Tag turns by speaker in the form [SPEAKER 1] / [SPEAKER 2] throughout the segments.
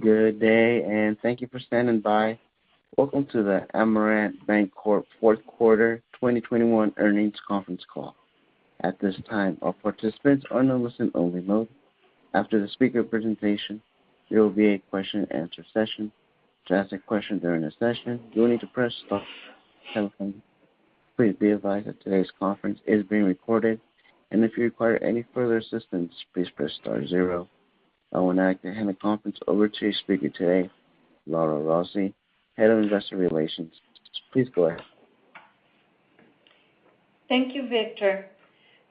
[SPEAKER 1] Good day, thank you for standing by. Welcome to the Amerant Bancorp Fourth Quarter 2021 Earnings Conference Call. At this time, all participants are in a listen-only mode. After the speaker presentation, there will be a question-and-answer session. To ask a question during the session, you will need to press star one. Please be advised that today's conference is being recorded, and if you require any further assistance, please press star zero. I will now hand the conference over to your speaker today, Laura Rossi, Head of Investor Relations. Please go ahead.
[SPEAKER 2] Thank you, Victor.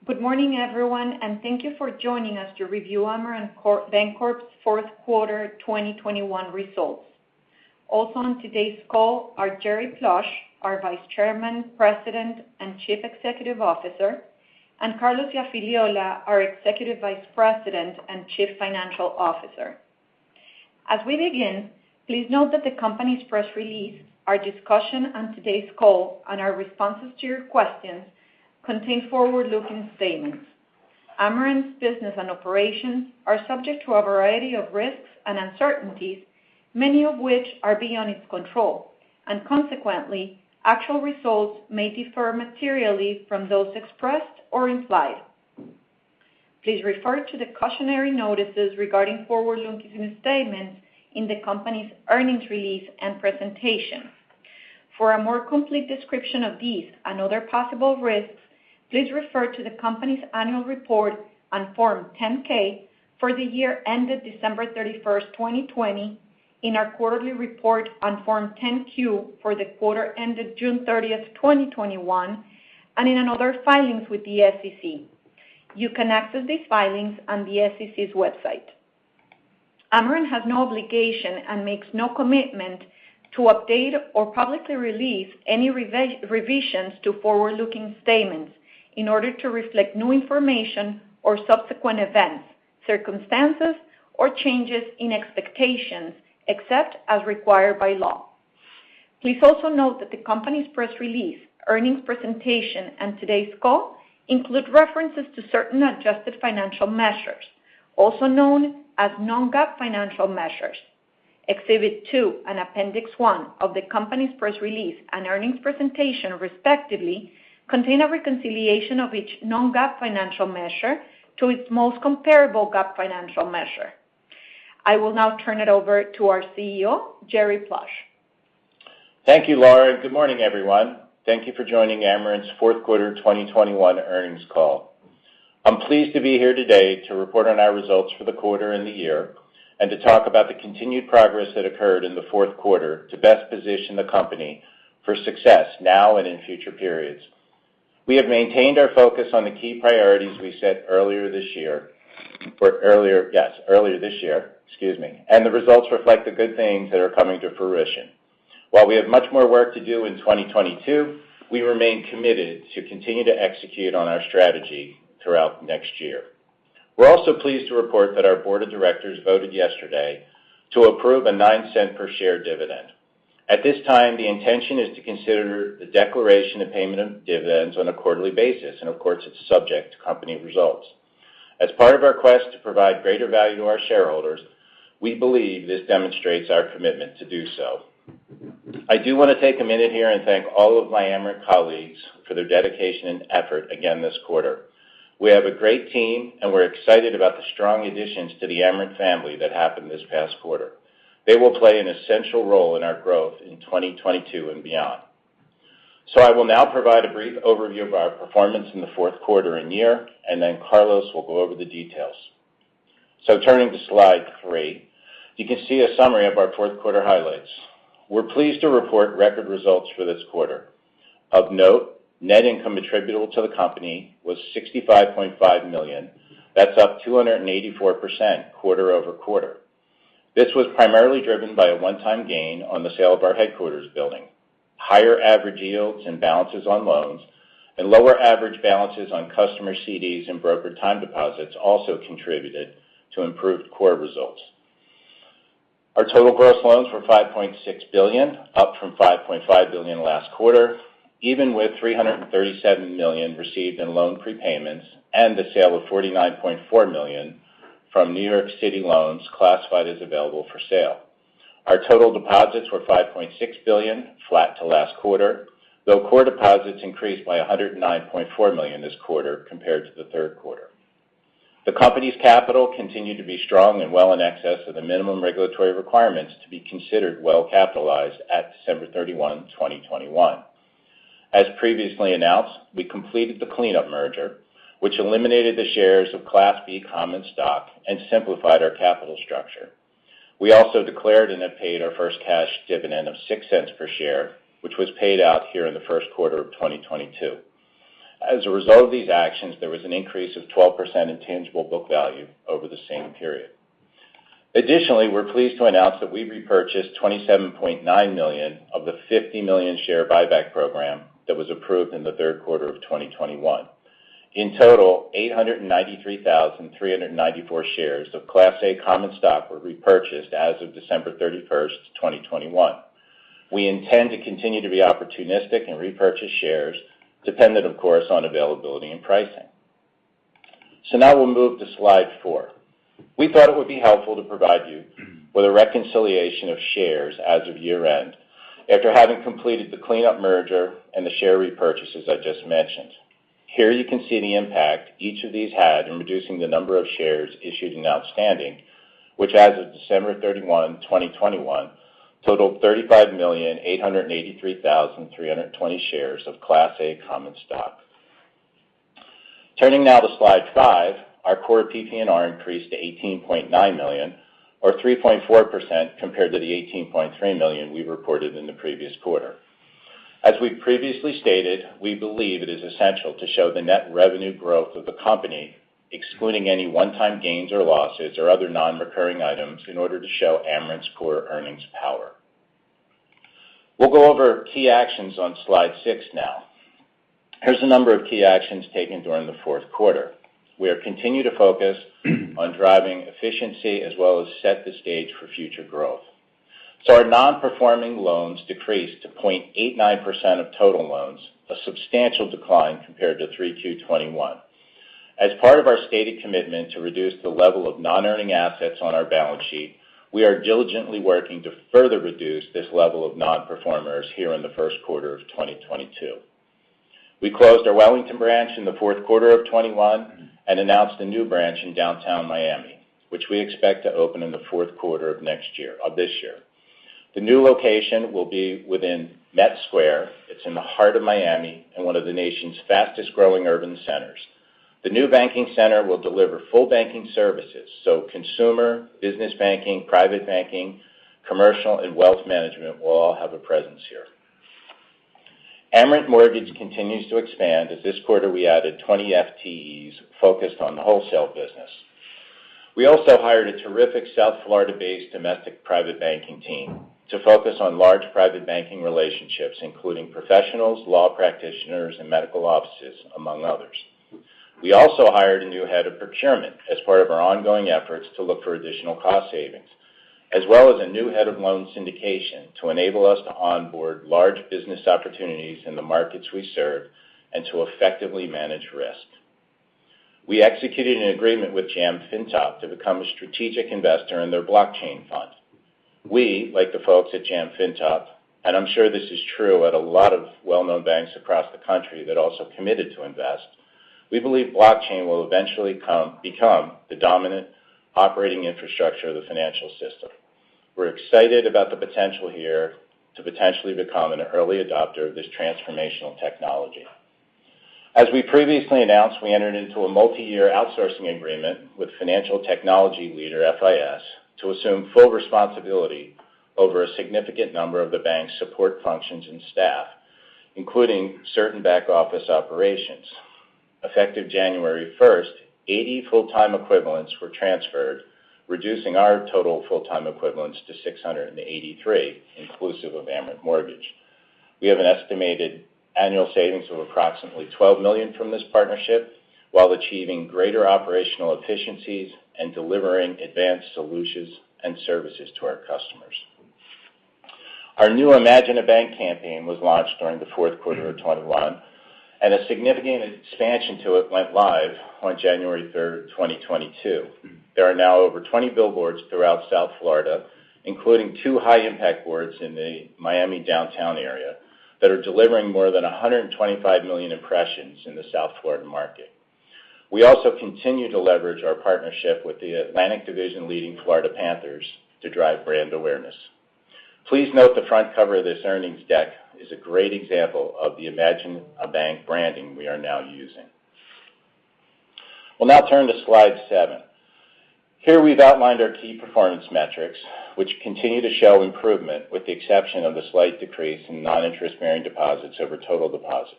[SPEAKER 2] Good morning, everyone, and thank you for joining us to review Amerant Bancorp's fourth quarter 2021 results. Also on today's call are Jerry Plush, our Vice Chairman, President, and Chief Executive Officer, and Carlos Iafigliola, our Executive Vice President and Chief Financial Officer. As we begin, please note that the company's press release, our discussion on today's call, and our responses to your questions contain forward-looking statements. Amerant's business and operations are subject to a variety of risks and uncertainties, many of which are beyond its control. Consequently, actual results may differ materially from those expressed or implied. Please refer to the cautionary notices regarding forward-looking statements in the company's earnings release and presentation. For a more complete description of these and other possible risks, please refer to the company's annual report on Form 10-K for the year ended December 31, 2020, in our quarterly report on Form 10-Q for the quarter ended June 30, 2021, and in other filings with the SEC. You can access these filings on the SEC's website. Amerant has no obligation and makes no commitment to update or publicly release any revisions to forward-looking statements in order to reflect new information or subsequent events, circumstances, or changes in expectations, except as required by law. Please also note that the company's press release, earnings presentation, and today's call include references to certain adjusted financial measures, also known as non-GAAP financial measures. Exhibit two and appendix one of the company's press release and earnings presentation, respectively, contain a reconciliation of each non-GAAP financial measure to its most comparable GAAP financial measure. I will now turn it over to our CEO, Jerry Plush.
[SPEAKER 3] Thank you, Laura. Good morning, everyone. Thank you for joining Amerant's fourth quarter 2021 earnings call. I'm pleased to be here today to report on our results for the quarter and the year, and to talk about the continued progress that occurred in the fourth quarter to best position the company for success now and in future periods. We have maintained our focus on the key priorities we set earlier this year. Excuse me. The results reflect the good things that are coming to fruition. While we have much more work to do in 2022, we remain committed to continue to execute on our strategy throughout next year. We're also pleased to report that our board of directors voted yesterday to approve a $0.09 per share dividend. At this time, the intention is to consider the declaration and payment of dividends on a quarterly basis, and of course, it's subject to company results. As part of our quest to provide greater value to our shareholders, we believe this demonstrates our commitment to do so. I do want to take a minute here and thank all of my Amerant colleagues for their dedication and effort again this quarter. We have a great team, and we're excited about the strong additions to the Amerant family that happened this past quarter. They will play an essential role in our growth in 2022 and beyond. I will now provide a brief overview of our performance in the fourth quarter and year, and then Carlos will go over the details. Turning to slide three, you can see a summary of our fourth quarter highlights. We're pleased to report record results for this quarter. Of note, net income attributable to the company was $65.5 million. That's up 284% quarter-over-quarter. This was primarily driven by a one-time gain on the sale of our headquarters building. Higher average yields and balances on loans and lower average balances on customer CDs and brokered time deposits also contributed to improved core results. Our total gross loans were $5.6 billion, up from $5.5 billion last quarter, even with $337 million received in loan prepayments and the sale of $49.4 million from New York City loans classified as available for sale. Our total deposits were $5.6 billion, flat to last quarter, though core deposits increased by $109.4 million this quarter compared to the third quarter. The company's capital continued to be strong and well in excess of the minimum regulatory requirements to be considered well-capitalized at December 31, 2021. As previously announced, we completed the cleanup merger, which eliminated the shares of Class B common stock and simplified our capital structure. We also declared and have paid our first cash dividend of $0.06 per share, which was paid out here in the first quarter of 2022. As a result of these actions, there was an increase of 12% in tangible book value over the same period. Additionally, we're pleased to announce that we repurchased 27.9 million of the 50 million share buyback program that was approved in the third quarter of 2021. In total, 893,394 shares of Class A common stock were repurchased as of December 31, 2021. We intend to continue to be opportunistic and repurchase shares, dependent, of course, on availability and pricing. Now we'll move to slide four. We thought it would be helpful to provide you with a reconciliation of shares as of year-end after having completed the cleanup merger and the share repurchases I just mentioned. Here you can see the impact each of these had in reducing the number of shares issued and outstanding, which as of December 31, 2021 totaled 35,883,320 shares of Class A common stock. Turning now to slide five, our core PPNR increased to $18.9 million or 3.4% compared to the $18.3 million we reported in the previous quarter. As we previously stated, we believe it is essential to show the net revenue growth of the company, excluding any one-time gains or losses or other non-recurring items in order to show Amerant's core earnings power. We'll go over key actions on slide six now. Here's a number of key actions taken during the fourth quarter. We have continued to focus on driving efficiency as well as set the stage for future growth. Our non-performing loans decreased to 0.89% of total loans, a substantial decline compared to 3Q 2021. As part of our stated commitment to reduce the level of non-earning assets on our balance sheet, we are diligently working to further reduce this level of nonperformers here in the first quarter of 2022. We closed our Wellington branch in the fourth quarter of 2021 and announced a new branch in downtown Miami, which we expect to open in the fourth quarter of this year. The new location will be within Met Square. It's in the heart of Miami and one of the nation's fastest-growing urban centers. The new banking center will deliver full banking services, so consumer, business banking, private banking, commercial, and wealth management will all have a presence here. Amerant Mortgage continues to expand as this quarter we added 20 FTEs focused on the wholesale business. We also hired a terrific South Florida-based domestic private banking team to focus on large private banking relationships, including professionals, law practitioners, and medical offices, among others. We also hired a new head of procurement as part of our ongoing efforts to look for additional cost savings, as well as a new head of loan syndication to enable us to onboard large business opportunities in the markets we serve and to effectively manage risk. We executed an agreement with JAM FINTOP to become a strategic investor in their blockchain fund. We, like the folks at JAM FINTOP, and I'm sure this is true at a lot of well-known banks across the country that also committed to invest, we believe blockchain will eventually become the dominant operating infrastructure of the financial system. We're excited about the potential here to potentially become an early adopter of this transformational technology. As we previously announced, we entered into a multi-year outsourcing agreement with financial technology leader FIS to assume full responsibility over a significant number of the bank's support functions and staff, including certain back-office operations. Effective January 1, 80 full-time equivalents were transferred, reducing our total full-time equivalents to 683 inclusive of Amerant Mortgage. We have an estimated annual savings of approximately $12 million from this partnership while achieving greater operational efficiencies and delivering advanced solutions and services to our customers. Our new Imagine a Bank campaign was launched during the fourth quarter of 2021, and a significant expansion to it went live on January 3, 2022. There are now over 20 billboards throughout South Florida, including two high-impact boards in the Miami downtown area that are delivering more than 125 million impressions in the South Florida market. We also continue to leverage our partnership with the Atlantic Division-leading Florida Panthers to drive brand awareness. Please note the front cover of this earnings deck is a great example of the imagine a bank branding we are now using. We'll now turn to slide seven. Here we've outlined our key performance metrics, which continue to show improvement with the exception of the slight decrease in non-interest bearing deposits over total deposits.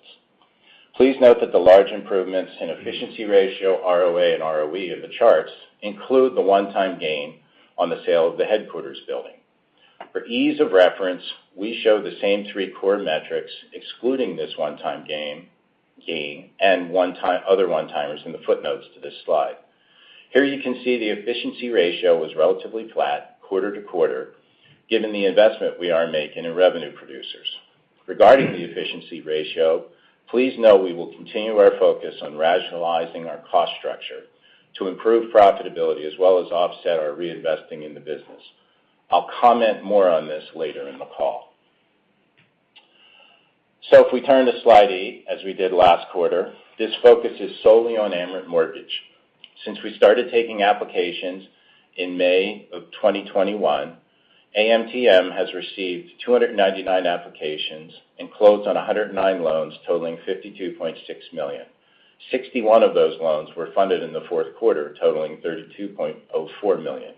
[SPEAKER 3] Please note that the large improvements in efficiency ratio, ROA, and ROE in the charts include the one-time gain on the sale of the headquarters building. For ease of reference, we show the same three core metrics excluding this one-time gain and other one-timers in the footnotes to this slide. Here you can see the efficiency ratio was relatively flat quarter-over-quarter given the investment we are making in revenue producers. Regarding the efficiency ratio, please know we will continue our focus on rationalizing our cost structure to improve profitability as well as offset our reinvesting in the business. I'll comment more on this later in the call. If we turn to slide eight, as we did last quarter, this focus is solely on Amerant Mortgage. Since we started taking applications in May 2021, AMTM has received 299 applications and closed on 109 loans totaling $52.6 million. 61 of those loans were funded in the fourth quarter, totaling $32.04 million.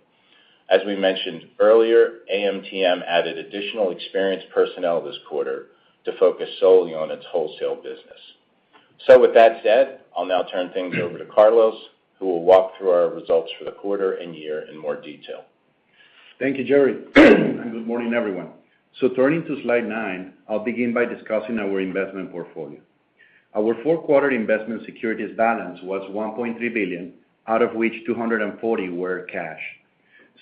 [SPEAKER 3] As we mentioned earlier, AMTM added additional experienced personnel this quarter to focus solely on its wholesale business. With that said, I'll now turn things over to Carlos, who will walk through our results for the quarter and year in more detail.
[SPEAKER 4] Thank you, Jerry. Good morning, everyone. Turning to slide nine, I'll begin by discussing our investment portfolio. Our four-quarter investment securities balance was $1.3 billion, out of which $240 million were cash,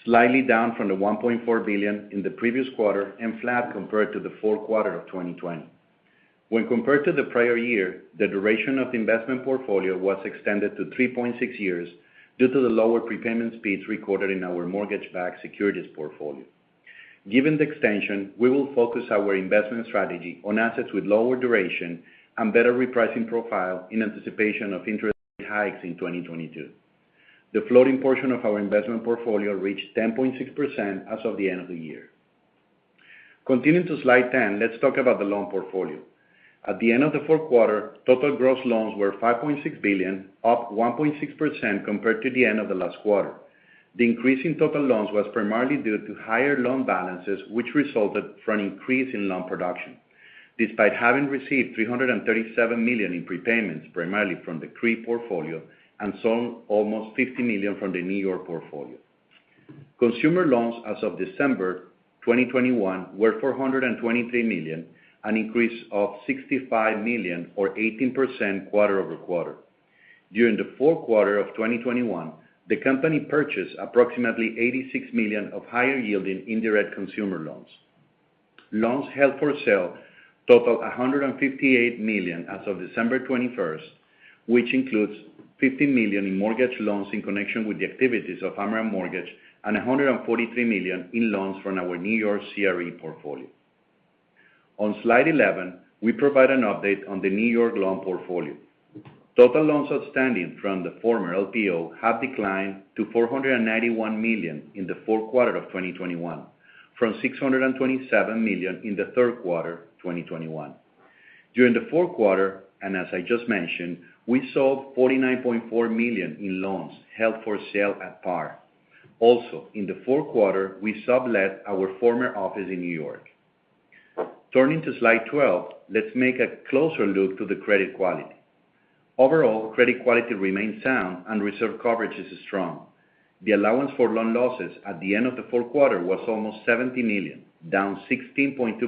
[SPEAKER 4] slightly down from the $1.4 billion in the previous quarter and flat compared to the fourth quarter of 2020. When compared to the prior year, the duration of the investment portfolio was extended to 3.6 years due to the lower prepayment speeds recorded in our mortgage-backed securities portfolio. Given the extension, we will focus our investment strategy on assets with lower duration and better repricing profile in anticipation of interest hikes in 2022. The floating portion of our investment portfolio reached 10.6% as of the end of the year. Continuing to slide 10, let's talk about the loan portfolio. At the end of the fourth quarter, total gross loans were $5.6 billion, up 1.6% compared to the end of the last quarter. The increase in total loans was primarily due to higher loan balances, which resulted from increase in loan production, despite having received $337 million in prepayments, primarily from the CRE portfolio and some almost $50 million from the New York portfolio. Consumer loans as of December 2021 were $423 million, an increase of $65 million or 18% quarter-over-quarter. During the fourth quarter of 2021, the company purchased approximately $86 million of higher yielding indirect consumer loans. Loans held for sale totaled $158 million as of December 21, which includes $50 million in mortgage loans in connection with the activities of Amerant Mortgage and $143 million in loans from our New York CRE portfolio. On slide 11, we provide an update on the New York loan portfolio. Total loans outstanding from the former LPO have declined to $491 million in the fourth quarter of 2021 from $627 million in the third quarter 2021. During the fourth quarter, as I just mentioned, we sold $49.4 million in loans held for sale at par. Also, in the fourth quarter, we sublet our former office in New York. Turning to slide 12, let's take a closer look at the credit quality. Overall credit quality remains sound and reserve coverage is strong. The allowance for loan losses at the end of the fourth quarter was almost $70 million, down 16.2%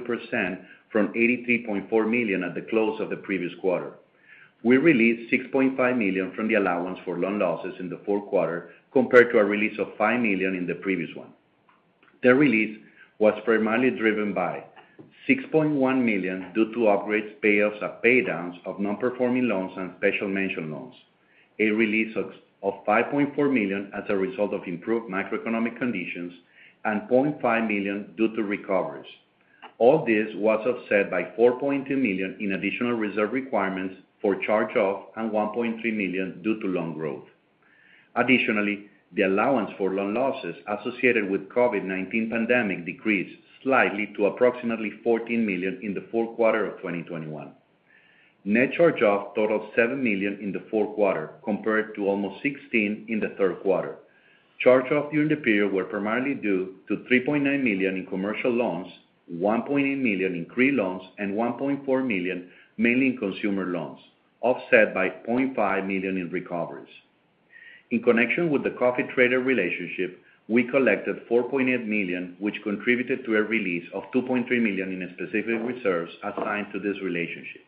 [SPEAKER 4] from $83.4 million at the close of the previous quarter. We released $6.5 million from the allowance for loan losses in the fourth quarter compared to a release of $5 million in the previous one. The release was primarily driven by $6.1 million due to upgrades, payoffs and pay downs of non-performing loans and special mention loans. A release of $5.4 million as a result of improved macroeconomic conditions and $0.5 million due to recoveries. All this was offset by $4.2 million in additional reserve requirements for charge-off and $1.3 million due to loan growth. Additionally, the allowance for loan losses associated with COVID-19 pandemic decreased slightly to approximately $14 million in the fourth quarter of 2021. Net charge-offs totaled $7 million in the fourth quarter, compared to almost $16 million in the third quarter. Charge-offs during the period were primarily due to $3.9 million in commercial loans, $1.8 million in CRE loans, and $1.4 million, mainly in consumer loans, offset by $0.5 million in recoveries. In connection with the coffee trader relationship, we collected $4.8 million, which contributed to a release of $2.3 million in specific reserves assigned to this relationship.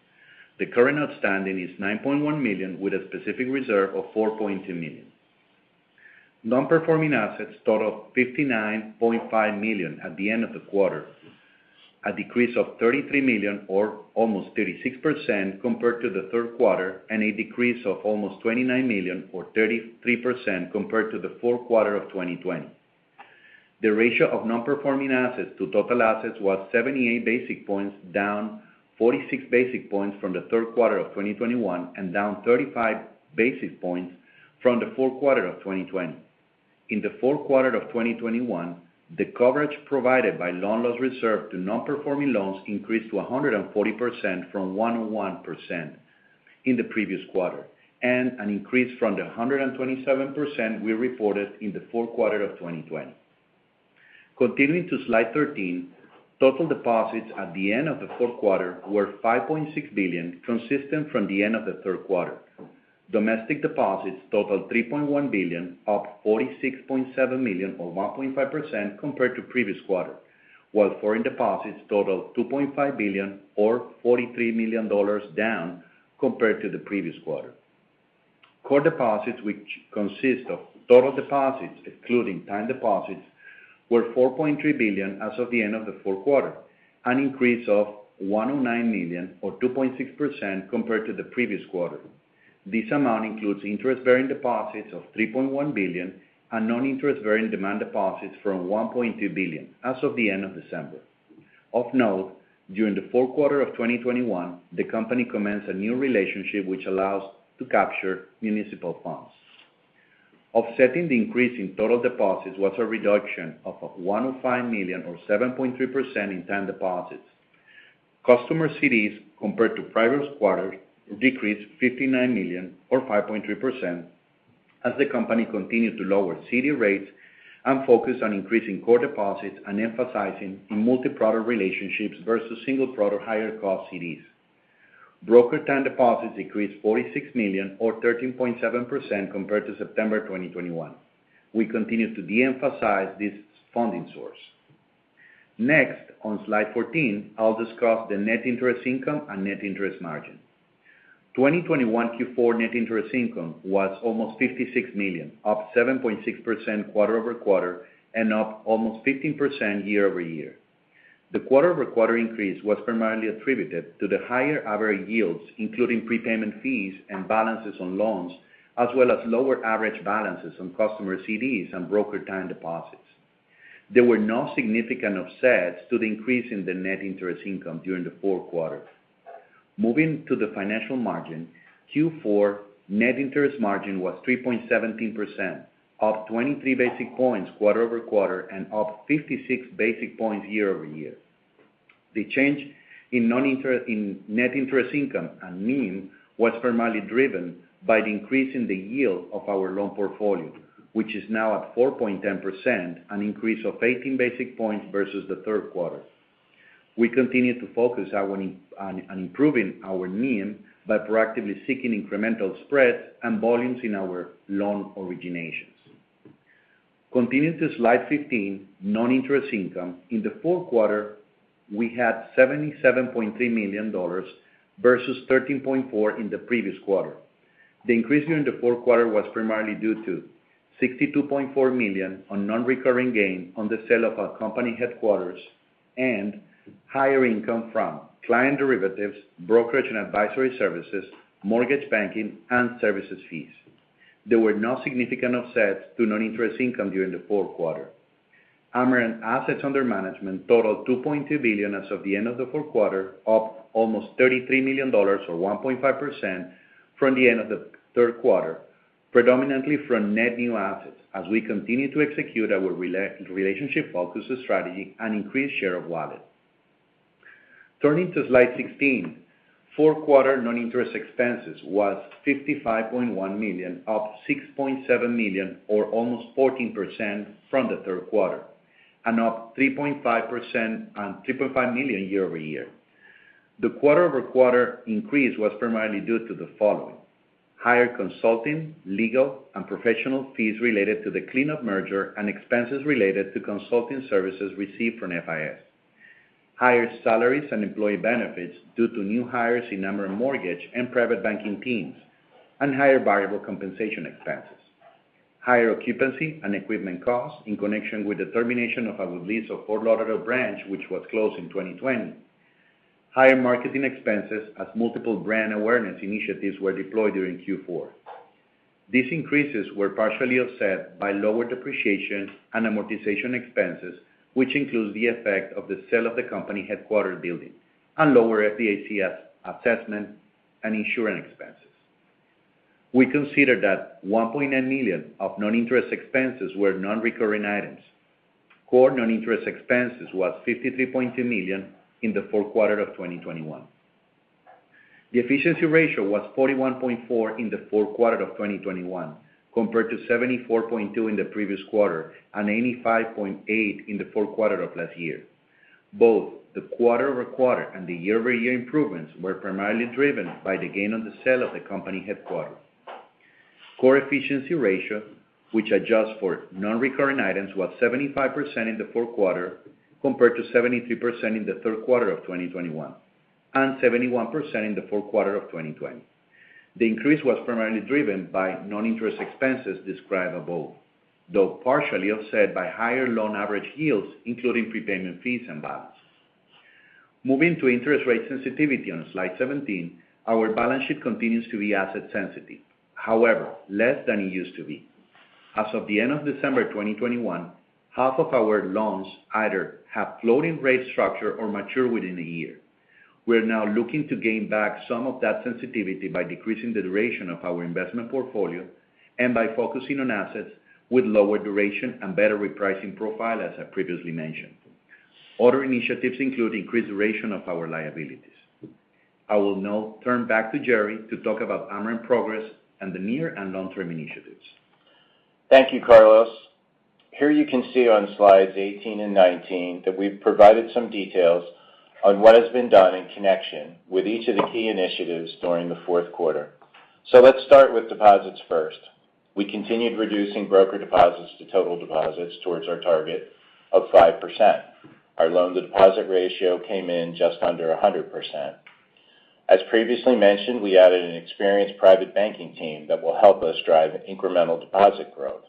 [SPEAKER 4] The current outstanding is $9.1 million with a specific reserve of $4.2 million. Non-performing assets totaled $59.5 million at the end of the quarter, a decrease of $33 million or almost 36% compared to the third quarter, and a decrease of almost $29 million or 33% compared to the fourth quarter of 2020. The ratio of non-performing assets to total assets was 78 basis points, down 46 basis points from the third quarter of 2021, and down 35 basis points from the fourth quarter of 2020. In the fourth quarter of 2021, the coverage provided by loan loss reserve to non-performing loans increased to 140% from 101% in the previous quarter, and an increase from the 127% we reported in the fourth quarter of 2020. Continuing to slide 13, total deposits at the end of the fourth quarter were $5.6 billion, consistent from the end of the third quarter. Domestic deposits totaled $3.1 billion, up $46.7 million or 1.5% compared to previous quarter. While foreign deposits totaled $2.5 billion or $43 million down compared to the previous quarter. Core deposits, which consist of total deposits excluding time deposits, were $4.3 billion as of the end of the fourth quarter, an increase of $100 million or 2.6% compared to the previous quarter. This amount includes interest-bearing deposits of $3.1 billion and non-interest bearing demand deposits of $1.2 billion as of the end of December. Of note, during the fourth quarter of 2021, the company commenced a new relationship which allows to capture municipal funds. Offsetting the increase in total deposits was a reduction of $15 million or 7.3% in time deposits. Customer CDs compared to previous quarter decreased $59 million or 5.3% as the company continued to lower CD rates and focus on increasing core deposits and emphasizing on multi-product relationships versus single product higher cost CDs. Broker time deposits decreased $46 million or 13.7% compared to September 2021. We continue to de-emphasize this funding source. Next, on slide 14, I'll discuss the net interest income and net interest margin. 2021 Q4 net interest income was almost $56 million, up 7.6% quarter-over-quarter and up almost 15% year-over-year. The quarter-over-quarter increase was primarily attributed to the higher average yields, including prepayment fees and balances on loans, as well as lower average balances on customer CDs and broker time deposits. There were no significant offsets to the increase in the net interest income during the fourth quarter. Moving to the net interest margin, Q4 net interest margin was 3.17%, up 23 basis points quarter-over-quarter and up 56 basis points year-over-year. The change in net interest income and NIM was primarily driven by the increase in the yield of our loan portfolio, which is now at 4.10%, an increase of 18 basis points versus the third quarter. We continue to focus on improving our NIM by proactively seeking incremental spreads and volumes in our loan originations. Continuing to slide 15, non-interest income. In the fourth quarter, we had $77.3 million versus $13.4 million in the previous quarter. The increase during the fourth quarter was primarily due to $62.4 million non-recurring gain on the sale of our company headquarters and higher income from client derivatives, brokerage and advisory services, mortgage banking, and services fees. There were no significant offsets to non-interest income during the fourth quarter. Amerant assets under management totaled $2.2 billion as of the end of the fourth quarter, up almost $33 million or 1.5% from the end of the third quarter, predominantly from net new assets as we continue to execute our relationship-focused strategy and increase share of wallet. Turning to slide 16. Fourth quarter non-interest expenses was $55.1 million, up $6.7 million or almost 14% from the third quarter, and up 3.5% and $3.5 million year-over-year. The quarter-over-quarter increase was primarily due to the following. Higher consulting, legal, and professional fees related to the cleanup merger and expenses related to consulting services received from FIS. Higher salaries and employee benefits due to new hires in Amerant Mortgage and private banking teams, and higher variable compensation expenses. Higher occupancy and equipment costs in connection with the termination of our lease of Fort Lauderdale branch, which was closed in 2020. Higher marketing expenses as multiple brand awareness initiatives were deployed during Q4. These increases were partially offset by lower depreciation and amortization expenses, which includes the effect of the sale of the company headquarters building and lower FDIC assessment and insurance expenses. We consider that $1.9 million of non-interest expenses were non-recurring items. Core non-interest expenses was $53.2 million in the fourth quarter of 2021. The efficiency ratio was 41.4% in the fourth quarter of 2021 compared to 74.2% in the previous quarter and 85.8% in the fourth quarter of last year. Both the quarter-over-quarter and the year-over-year improvements were primarily driven by the gain on the sale of the company headquarters. Core efficiency ratio, which adjusts for non-recurring items, was 75% in the fourth quarter compared to 73% in the third quarter of 2021, and 71% in the fourth quarter of 2020. The increase was primarily driven by non-interest expenses described above, though partially offset by higher loan average yields, including prepayment fees and balance. Moving to interest rate sensitivity on slide 17. Our balance sheet continues to be asset sensitive. However, less than it used to be. As of the end of December 2021, half of our loans either have floating rate structure or mature within a year. We are now looking to gain back some of that sensitivity by decreasing the duration of our investment portfolio and by focusing on assets with lower duration and better repricing profile, as I previously mentioned. Other initiatives include increased duration of our liabilities. I will now turn back to Jerry to talk about Amerant's progress and the near- and long-term initiatives.
[SPEAKER 3] Thank you, Carlos. Here you can see on slides 18 and 19 that we've provided some details on what has been done in connection with each of the key initiatives during the fourth quarter. Let's start with deposits first. We continued reducing broker deposits to total deposits towards our target of 5%. Our loan-to-deposit ratio came in just under 100%. As previously mentioned, we added an experienced private banking team that will help us drive incremental deposit growth.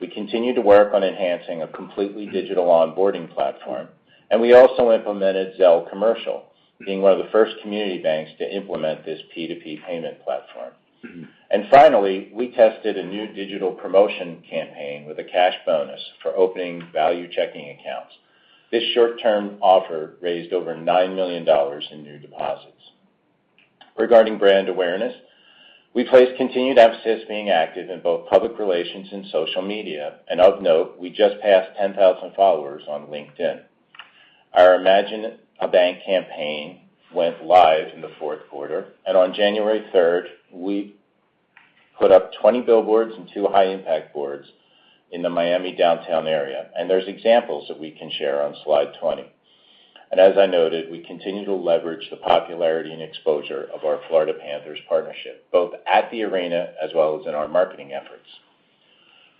[SPEAKER 3] We continue to work on enhancing a completely digital onboarding platform, and we also implemented Zelle Commercial, being one of the first community banks to implement this P2P payment platform. Finally, we tested a new digital promotion campaign with a cash bonus for opening value checking accounts. This short-term offer raised over $9 million in new deposits. Regarding brand awareness, we place continued emphasis being active in both public relations and social media. Of note, we just passed 10,000 followers on LinkedIn. Our Imagine a Bank campaign went live in the fourth quarter. On January 3, we put up 20 billboards and two high-impact boards in the Miami downtown area. There's examples that we can share on slide 20. As I noted, we continue to leverage the popularity and exposure of our Florida Panthers partnership, both at the arena as well as in our marketing efforts.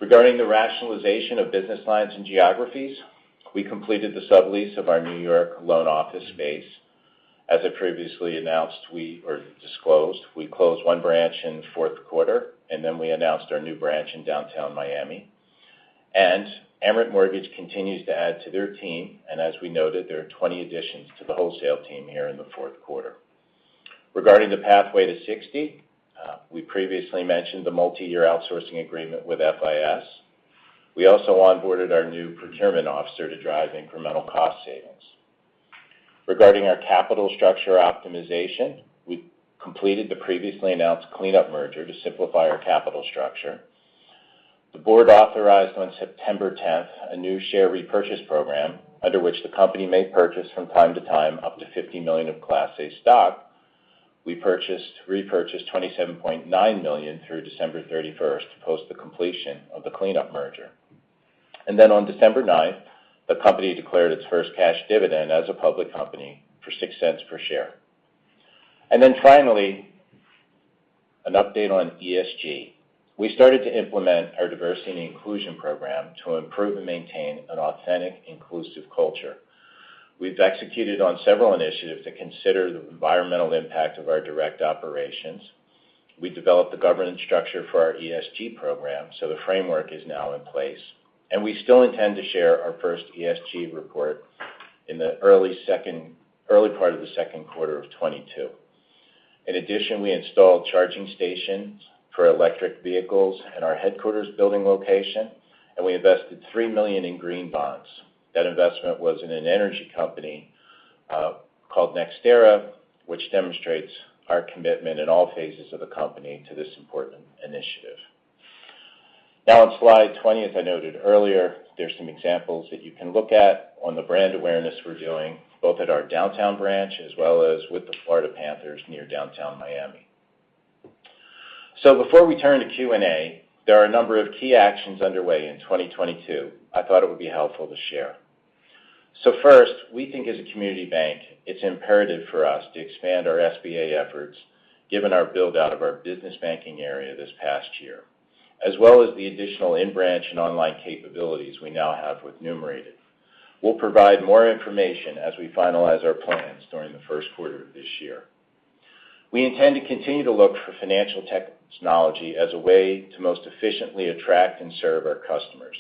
[SPEAKER 3] Regarding the rationalization of business lines and geographies, we completed the sublease of our New York loan office space. As I previously announced, or disclosed, we closed one branch in fourth quarter, and then we announced our new branch in downtown Miami. Amerant Mortgage continues to add to their team, and as we noted, there are 20 additions to the wholesale team here in the fourth quarter. Regarding the pathway to 60, we previously mentioned the multiyear outsourcing agreement with FIS. We also onboarded our new procurement officer to drive incremental cost savings. Regarding our capital structure optimization, we completed the previously announced cleanup merger to simplify our capital structure. The board authorized on September 10 a new share repurchase program under which the company may purchase from time to time up to $50 million of Class A stock. We repurchased $27.9 million through December 31 post the completion of the cleanup merger. On December 9, the company declared its first cash dividend as a public company for $0.06 per share. Finally, an update on ESG. We started to implement our diversity and inclusion program to improve and maintain an authentic, inclusive culture. We've executed on several initiatives to consider the environmental impact of our direct operations. We developed the governance structure for our ESG program, so the framework is now in place. We still intend to share our first ESG report in the early part of the second quarter of 2022. In addition, we installed charging stations for electric vehicles in our headquarters building location, and we invested $3 million in green bonds. That investment was in an energy company called NextEra, which demonstrates our commitment in all phases of the company to this important initiative. Now on slide 20, as I noted earlier, there's some examples that you can look at on the brand awareness we're doing, both at our downtown branch as well as with the Florida Panthers near downtown Miami. Before we turn to Q&A, there are a number of key actions underway in 2022 I thought it would be helpful to share. First, we think as a community bank, it's imperative for us to expand our SBA efforts given our build-out of our business banking area this past year, as well as the additional in-branch and online capabilities we now have with [nCino]. We'll provide more information as we finalize our plans during the first quarter of this year. We intend to continue to look for financial technology as a way to most efficiently attract and serve our customers.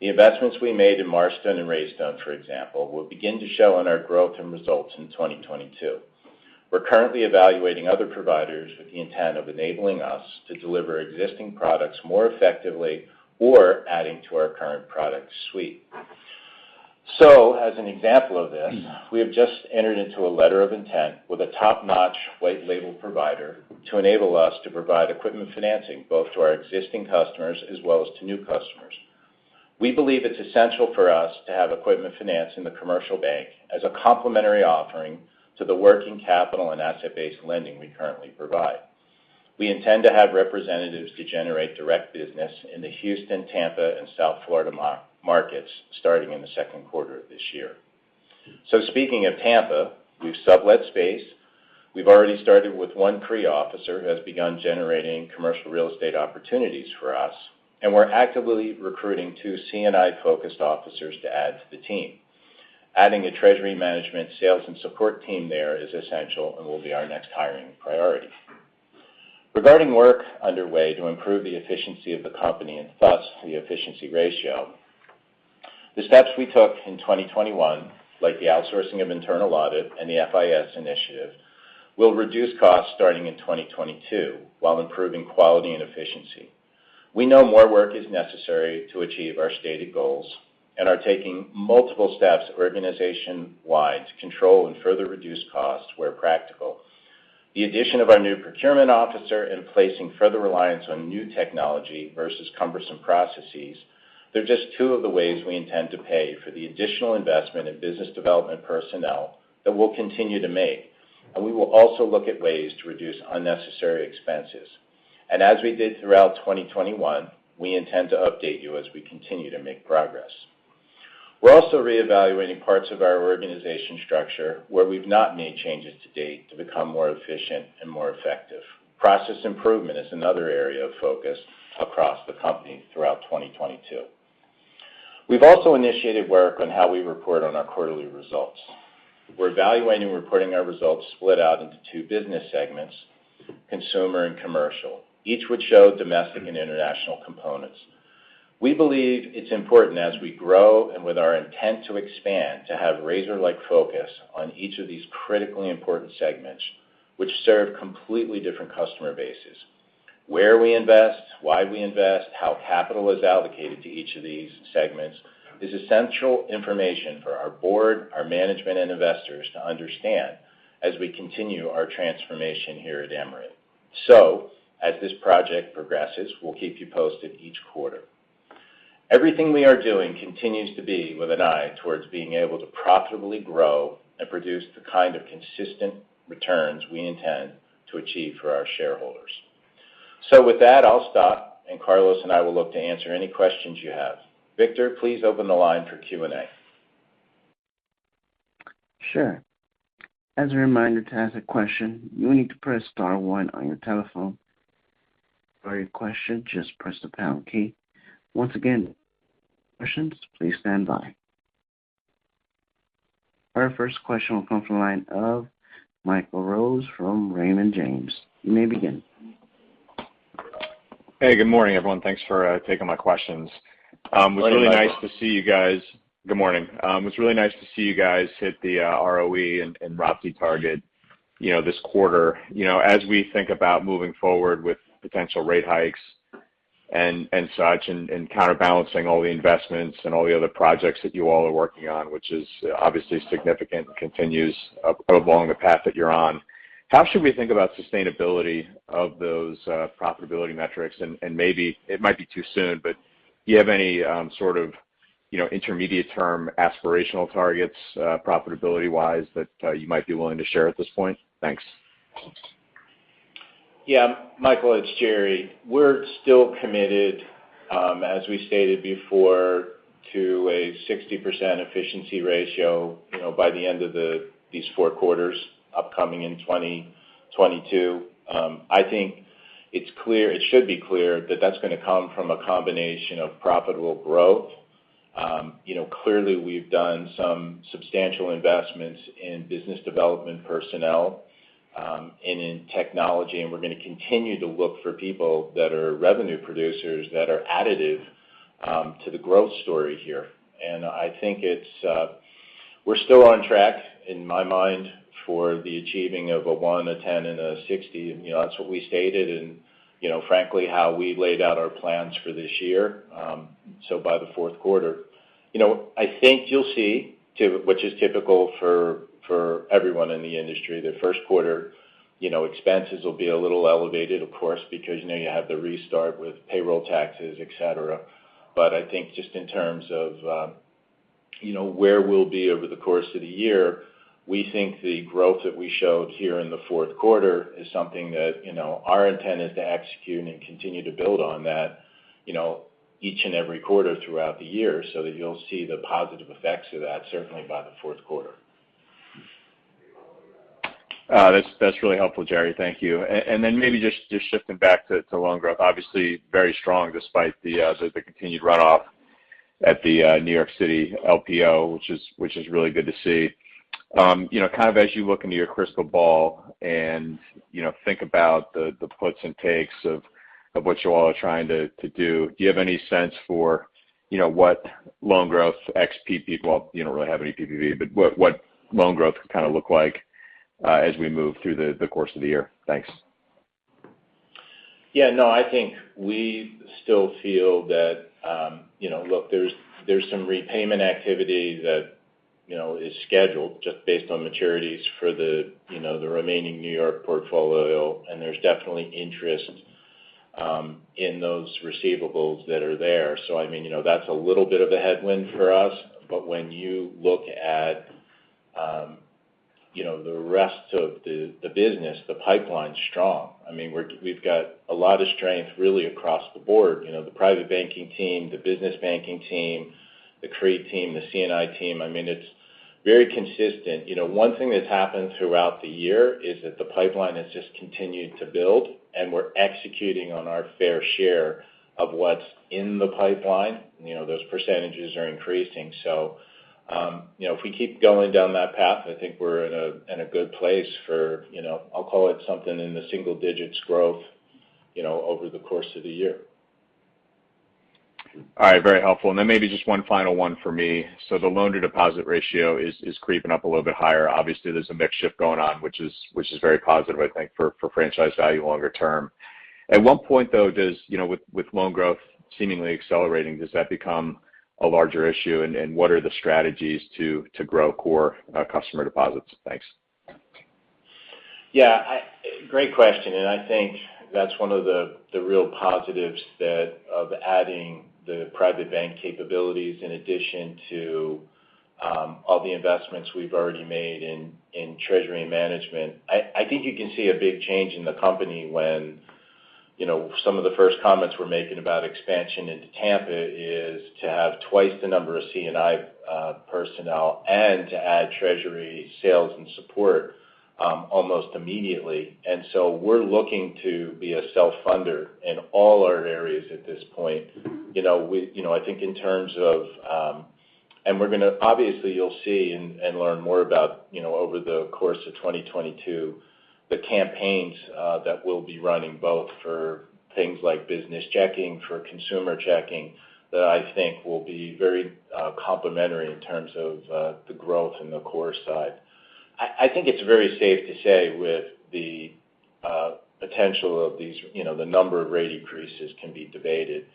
[SPEAKER 3] The investments we made in Marstone and Raistone, for example, will begin to show in our growth and results in 2022. We're currently evaluating other providers with the intent of enabling us to deliver existing products more effectively or adding to our current product suite. As an example of this, we have just entered into a letter of intent with a top-notch white label provider to enable us to provide equipment financing both to our existing customers as well as to new customers. We believe it's essential for us to have equipment finance in the commercial bank as a complementary offering to the working capital and asset-based lending we currently provide. We intend to have representatives to generate direct business in the Houston, Tampa, and South Florida markets starting in the second quarter of this year. Speaking of Tampa, we've sublet space. We've already started with one pre-officer who has begun generating commercial real estate opportunities for us, and we're actively recruiting two C&I-focused officers to add to the team. Adding a treasury management sales and support team there is essential and will be our next hiring priority. Regarding work underway to improve the efficiency of the company and thus the efficiency ratio, the steps we took in 2021, like the outsourcing of internal audit and the FIS initiative, will reduce costs starting in 2022 while improving quality and efficiency. We know more work is necessary to achieve our stated goals and are taking multiple steps organization-wide to control and further reduce costs where practical. The addition of our new procurement officer and placing further reliance on new technology versus cumbersome processes, they're just two of the ways we intend to pay for the additional investment in business development personnel that we'll continue to make, and we will also look at ways to reduce unnecessary expenses. As we did throughout 2021, we intend to update you as we continue to make progress. We're also reevaluating parts of our organizational structure where we've not made changes to date to become more efficient and more effective. Process improvement is another area of focus across the company throughout 2022. We've also initiated work on how we report on our quarterly results. We're evaluating reporting our results split out into two business segments, consumer and commercial. Each would show domestic and international components. We believe it's important as we grow and with our intent to expand to have razor-like focus on each of these critically important segments which serve completely different customer bases. Where we invest, why we invest, how capital is allocated to each of these segments is essential information for our board, our management, and investors to understand as we continue our transformation here at Amerant. As this project progresses, we'll keep you posted each quarter. Everything we are doing continues to be with an eye towards being able to profitably grow and produce the kind of consistent returns we intend to achieve for our shareholders. With that, I'll stop, and Carlos and I will look to answer any questions you have. Victor, please open the line for Q&A.
[SPEAKER 1] Sure. As a reminder, to ask a question, you will need to press star one on your telephone. For your question, just press the pound key. Once again, questions, please stand by. Our first question will come from the line of Michael Rose from Raymond James. You may begin.
[SPEAKER 5] Hey, good morning, everyone. Thanks for taking my questions. It was really nice to see you guys-
[SPEAKER 3] Good morning.
[SPEAKER 5] Good morning. It was really nice to see you guys hit the ROE and ROA target, you know, this quarter. You know, as we think about moving forward with potential rate hikes and such, and counterbalancing all the investments and all the other projects that you all are working on, which is obviously significant and continues along the path that you're on, how should we think about sustainability of those profitability metrics? Maybe it might be too soon, but do you have any sort of, you know, intermediate term aspirational targets, profitability-wise that you might be willing to share at this point? Thanks.
[SPEAKER 3] Yeah. Michael, it's Jerry. We're still committed, as we stated before, to a 60% efficiency ratio, you know, by the end of these four quarters upcoming in 2022. I think it's clear it should be clear that that's gonna come from a combination of profitable growth. You know, clearly, we've done some substantial investments in business development personnel, and in technology, and we're gonna continue to look for people that are revenue producers that are additive, to the growth story here. I think we're still on track, in my mind, for the achieving of a 1%, a 10%, and a 60%. You know, that's what we stated and, you know, frankly, how we laid out our plans for this year, so by the fourth quarter. You know, I think you'll see which is typical for everyone in the industry, the first quarter, you know, expenses will be a little elevated, of course, because, you know, you have the restart with payroll taxes, et cetera. I think just in terms of, you know, where we'll be over the course of the year, we think the growth that we showed here in the fourth quarter is something that, you know, our intent is to execute and continue to build on that, you know, each and every quarter throughout the year, so that you'll see the positive effects of that certainly by the fourth quarter.
[SPEAKER 5] That's really helpful, Jerry. Thank you. Maybe just shifting back to loan growth. Obviously, very strong despite the continued runoff at the New York City LPO, which is really good to see. You know, kind of as you look into your crystal ball and, you know, think about the puts and takes of what you all are trying to do you have any sense for, you know, what loan growth ex PPP, well, you don't really have any PPP, but what loan growth could kind of look like, as we move through the course of the year? Thanks.
[SPEAKER 3] Yeah, no, I think we still feel that, you know, look, there's some repayment activity that, you know, is scheduled just based on maturities for the, you know, the remaining New York portfolio, and there's definitely interest in those receivables that are there. So I mean, you know, that's a little bit of a headwind for us. But when you look at, you know, the rest of the business, the pipeline's strong. I mean, we've got a lot of strength really across the board. You know, the private banking team, the business banking team, the CRE team, the C&I team. I mean, it's very consistent. You know, one thing that's happened throughout the year is that the pipeline has just continued to build, and we're executing on our fair share of what's in the pipeline. You know, those percentages are increasing. You know, if we keep going down that path, I think we're in a good place for, you know, I'll call it something in the single digits growth, you know, over the course of the year.
[SPEAKER 5] All right, very helpful. Maybe just one final one for me. The loan-to-deposit ratio is creeping up a little bit higher. Obviously, there's a mix shift going on, which is very positive, I think, for franchise value longer term. At what point, though, you know, with loan growth seemingly accelerating, does that become a larger issue? What are the strategies to grow core customer deposits? Thanks.
[SPEAKER 3] Great question, and I think that's one of the real positives of adding the private bank capabilities in addition to all the investments we've already made in treasury management. I think you can see a big change in the company when, you know, some of the first comments we're making about expansion into Tampa is to have twice the number of C&I personnel and to add treasury sales and support almost immediately. We're looking to be a self-funder in all our areas at this point. You know, I think in terms of... We're gonna obviously you'll see and learn more about, you know, over the course of 2022, the campaigns that we'll be running both for things like business checking, for consumer checking, that I think will be very complementary in terms of the growth in the core side. I think it's very safe to say with the potential of these, you know, the number of rate increases can be debated.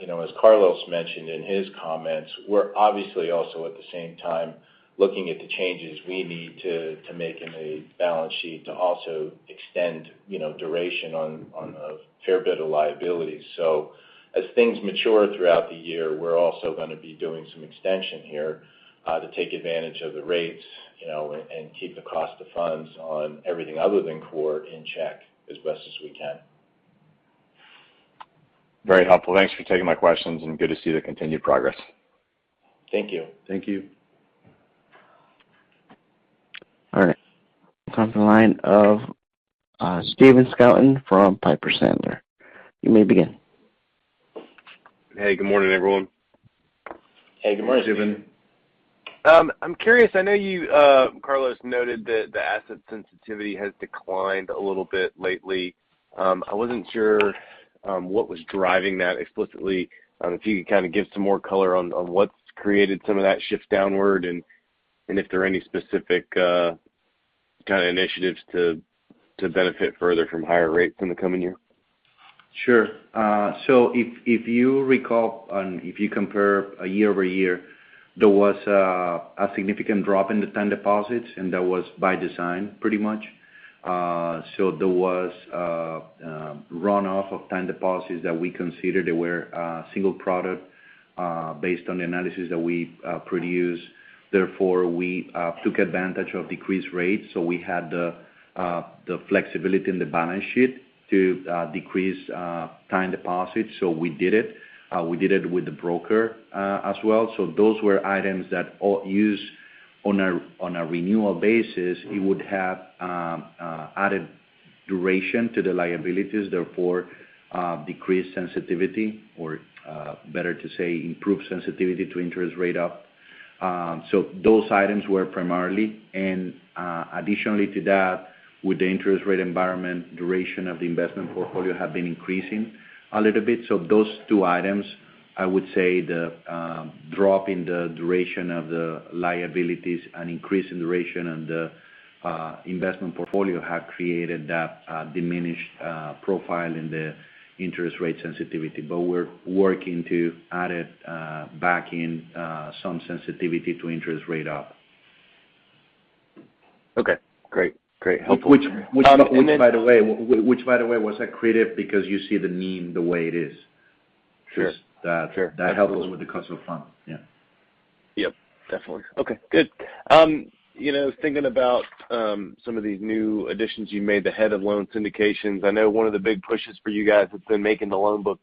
[SPEAKER 3] You know, as Carlos mentioned in his comments, we're obviously also at the same time looking at the changes we need to make in the balance sheet to also extend, you know, duration on a fair bit of liabilities. As things mature throughout the year, we're also gonna be doing some extension here to take advantage of the rates, you know, and keep the cost of funds on everything other than core in check as best as we can.
[SPEAKER 5] Very helpful. Thanks for taking my questions, and good to see the continued progress.
[SPEAKER 3] Thank you.
[SPEAKER 4] Thank you.
[SPEAKER 1] All right. Welcome to the line of Stephen Scouten from Piper Sandler. You may begin.
[SPEAKER 6] Hey, good morning, everyone.
[SPEAKER 4] Hey, good morning, Stephen.
[SPEAKER 6] I'm curious. I know you, Carlos, noted that the asset sensitivity has declined a little bit lately. I wasn't sure what was driving that explicitly. If you could kind of give some more color on what's created some of that shift downward and if there are any specific kind of initiatives to benefit further from higher rates in the coming year.
[SPEAKER 4] Sure. If you recall and if you compare year-over-year, there was a significant drop in the time deposits, and that was by design pretty much. There was runoff of time deposits that we considered that were single product based on the analysis that we produced. Therefore, we took advantage of decreased rates. We had the flexibility in the balance sheet to decrease time deposits, so we did it. We did it with the broker as well. Those were items that all use on a renewal basis. It would have added duration to the liabilities, therefore decrease sensitivity or better to say improve sensitivity to interest rate up. Those items were primarily. Additionally to that, with the interest rate environment, duration of the investment portfolio have been increasing a little bit. Those two items, I would say the drop in the duration of the liabilities and increase in duration and the investment portfolio have created that diminished profile in the interest rate sensitivity. We're working to add it back in some sensitivity to interest rate up.
[SPEAKER 6] Okay, great. Great. Helpful.
[SPEAKER 4] Which by the way was accretive because you see, I mean, the way it is.
[SPEAKER 6] Sure. Sure.
[SPEAKER 4] Just that helps with the cost of funds. Yeah.
[SPEAKER 6] Yep, definitely. Okay, good. You know, thinking about some of these new additions you made, the head of loan syndications, I know one of the big pushes for you guys has been making the loan book,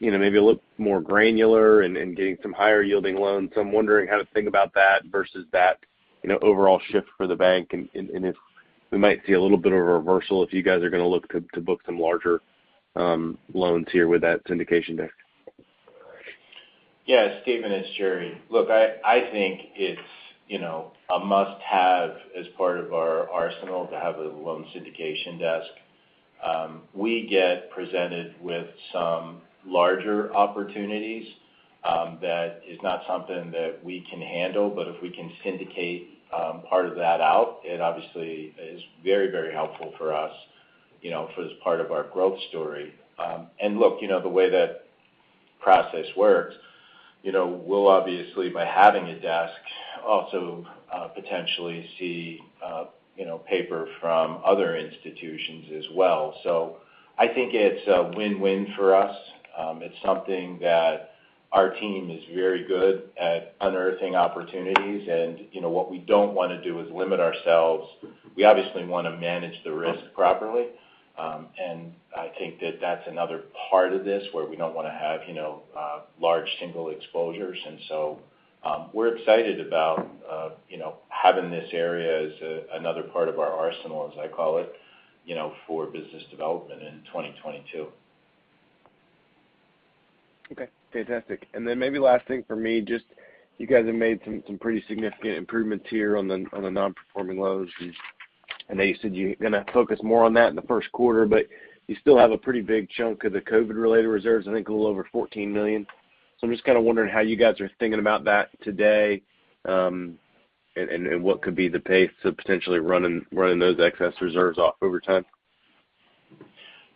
[SPEAKER 6] you know, maybe a little more granular and getting some higher yielding loans. So I'm wondering how to think about that versus that, you know, overall shift for the bank and if we might see a little bit of a reversal, if you guys are gonna look to book some larger loans here with that syndication desk.
[SPEAKER 3] Yeah. Stephen, it's Jerry. Look, I think it's, you know, a must-have as part of our arsenal to have a loan syndication desk. We get presented with some larger opportunities that is not something that we can handle, but if we can syndicate part of that out, it obviously is very, very helpful for us, you know, for as part of our growth story. Look, you know, the way that process works, you know, we'll obviously by having a desk also potentially see, you know, paper from other institutions as well. I think it's a win-win for us. It's something that our team is very good at unearthing opportunities and, you know, what we don't wanna do is limit ourselves. We obviously wanna manage the risk properly. I think that that's another part of this where we don't want to have, you know, large single exposures. We're excited about, you know, having this area as another part of our arsenal, as I call it, you know, for business development in 2022.
[SPEAKER 6] Okay, fantastic. Maybe last thing for me, just you guys have made some pretty significant improvements here on the non-performing loans. I know you said you're gonna focus more on that in the first quarter, but you still have a pretty big chunk of the COVID-related reserves, I think a little over $14 million. I'm just kind of wondering how you guys are thinking about that today, and what could be the pace of potentially running those excess reserves off over time.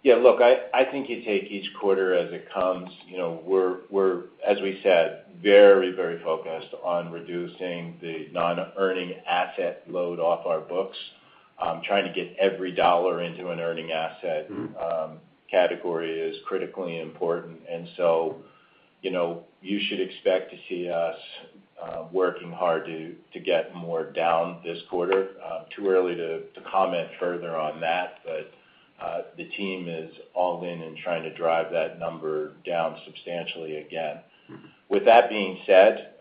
[SPEAKER 3] Yeah. Look, I think you take each quarter as it comes. You know, we're, as we said, very focused on reducing the non-earning asset load off our books. Trying to get every dollar into an earning asset category is critically important. You know, you should expect to see us working hard to get more down this quarter. Too early to comment further on that, but the team is all in trying to drive that number down substantially again. With that being said,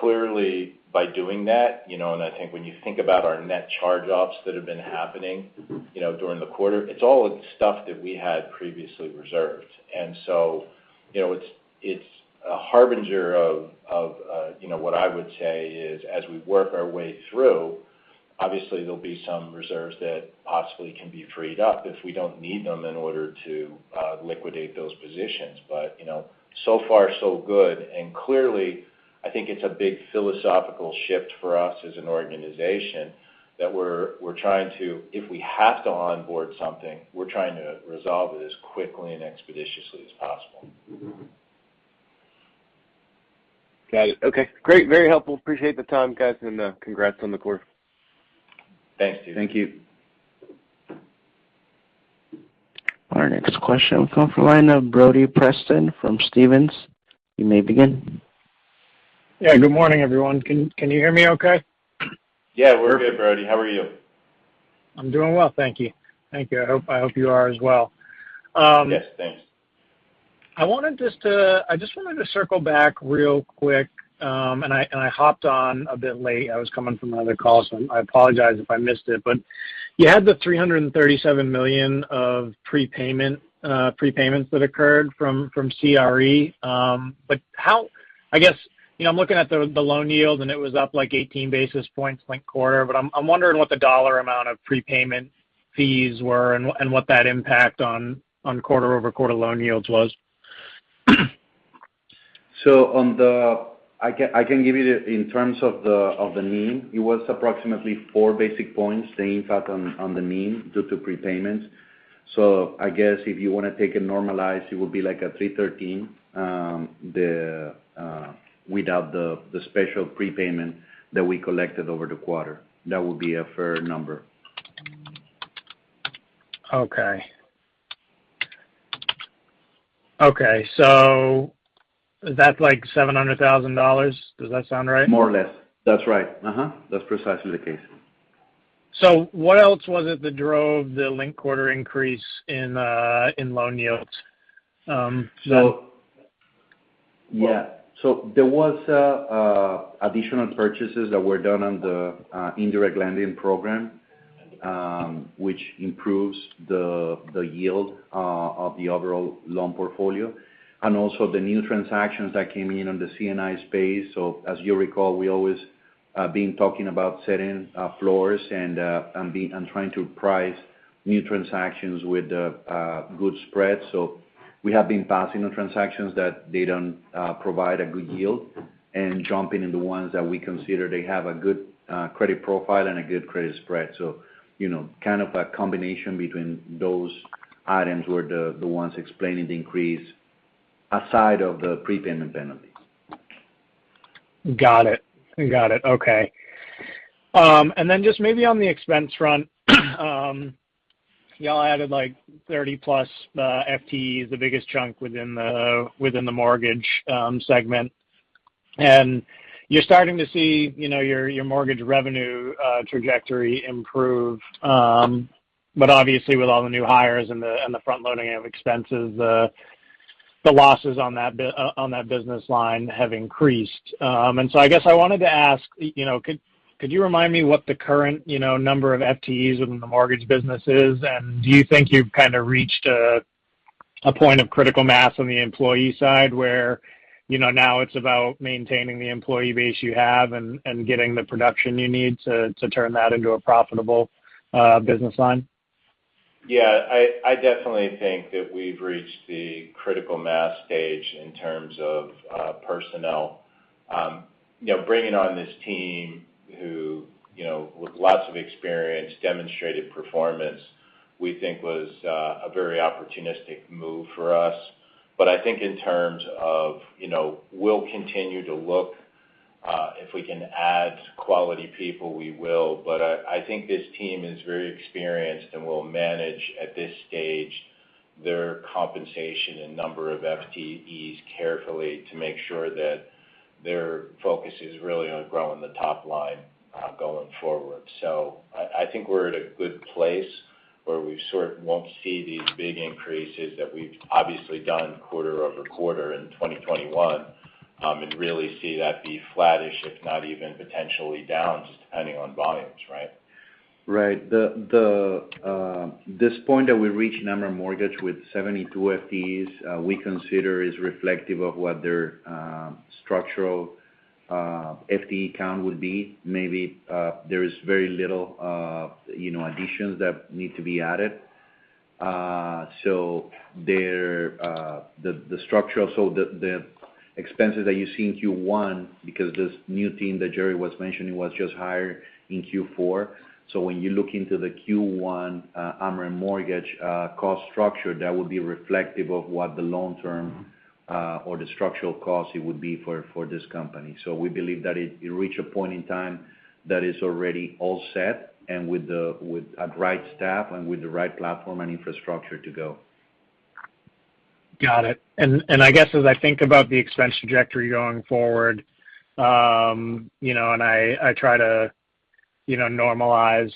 [SPEAKER 3] clearly by doing that, you know, and I think when you think about our net charge-offs that have been happening-
[SPEAKER 6] Mm-hmm.
[SPEAKER 3] You know, during the quarter, it's all stuff that we had previously reserved. You know, it's a harbinger of what I would say is as we work our way through, obviously there'll be some reserves that possibly can be freed up if we don't need them in order to liquidate those positions. You know, so far so good. Clearly, I think it's a big philosophical shift for us as an organization that we're trying to, if we have to onboard something, we're trying to resolve it as quickly and expeditiously as possible.
[SPEAKER 6] Got it. Okay. Great. Very helpful. Appreciate the time, guys, and congrats on the quarter.
[SPEAKER 3] Thanks, Stephen.
[SPEAKER 4] Thank you.
[SPEAKER 1] Our next question will come from the line of Brody Preston from Stephens. You may begin.
[SPEAKER 7] Yeah. Good morning, everyone. Can you hear me okay?
[SPEAKER 4] Yeah, we're good, Brody. How are you?
[SPEAKER 7] I'm doing well. Thank you. I hope you are as well.
[SPEAKER 4] Yes. Thanks.
[SPEAKER 7] I just wanted to circle back real quick. I hopped on a bit late. I was coming from another call, so I apologize if I missed it. You had the $337 million of prepayments that occurred from CRE. I guess, you know, I'm looking at the loan yield, and it was up, like, 18 basis points linked quarter. I'm wondering what the dollar amount of prepayment fees were and what that impact on quarter-over-quarter loan yields was.
[SPEAKER 4] I can give you in terms of the NIM. It was approximately four basis points impact on the NIM due to prepayments. I guess if you want to take it normalized, it would be like a 3.13%, without the special prepayment that we collected over the quarter. That would be a fair number.
[SPEAKER 7] Okay. Is that like $700,000? Does that sound right?
[SPEAKER 4] More or less. That's right. That's precisely the case.
[SPEAKER 7] What else was it that drove the linked-quarter increase in loan yields?
[SPEAKER 4] Yeah. There was additional purchases that were done on the indirect lending program, which improves the yield of the overall loan portfolio, and also the new transactions that came in on the C&I space. As you recall, we always been talking about setting floors and trying to price new transactions with the good spread. We have been passing on transactions that they don't provide a good yield and jumping into ones that we consider they have a good credit profile and a good credit spread. You know, kind of a combination between those items were the ones explaining the increase aside of the prepayment penalties.
[SPEAKER 7] Got it. Okay. Then just maybe on the expense front, y'all added, like, 30+ FTEs, the biggest chunk within the mortgage segment. You're starting to see, you know, your mortgage revenue trajectory improve. Obviously, with all the new hires and the front loading of expenses, the losses on that business line have increased. I guess I wanted to ask, you know, could you remind me what the current number of FTEs within the mortgage business is? Do you think you've kinda reached a point of critical mass on the employee side where, you know, now it's about maintaining the employee base you have and getting the production you need to turn that into a profitable business line?
[SPEAKER 4] Yeah. I definitely think that we've reached the critical mass stage in terms of personnel. You know, bringing on this team who, you know, with lots of experience, demonstrated performance, we think was a very opportunistic move for us. I think in terms of, you know, we'll continue to look if we can add quality people, we will. I think this team is very experienced and will manage, at this stage, their compensation and number of FTEs carefully to make sure that their focus is really on growing the top line going forward. I think we're at a good place where we sort of won't see these big increases that we've obviously done quarter-over-quarter in 2021, and really see that be flattish, if not even potentially down, just depending on volumes, right? Right. This point that we reached Amerant Mortgage with 72 FTEs, we consider is reflective of what their structural FTE count would be. Maybe there is very little, you know, additions that need to be added. The expenses that you see in Q1, because this new team that Jerry was mentioning was just hired in Q4. When you look into the Q1 Amerant Mortgage cost structure, that would be reflective of what the long-term or the structural cost it would be for this company. We believe that it reached a point in time that is already all set and with a right staff and with the right platform and infrastructure to go.
[SPEAKER 7] Got it. I guess as I think about the expense trajectory going forward, you know, I try to you know, normalize,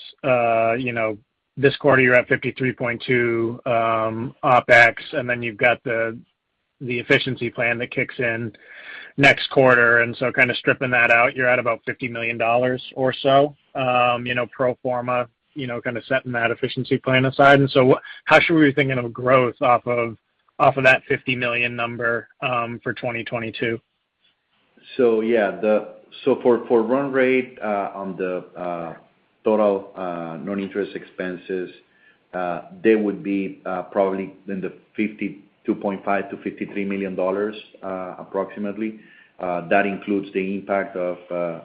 [SPEAKER 7] you know, this quarter you're at $53.2 million OpEx, and then you've got the efficiency plan that kicks in next quarter. Kind of stripping that out, you're at about $50 million or so, you know, pro forma, you know, kind of setting that efficiency plan aside. How should we be thinking of growth off of that $50 million number for 2022?
[SPEAKER 4] For run rate on the total non-interest expenses, they would be probably in the $52.5 million-$53 million, approximately. That includes the impact of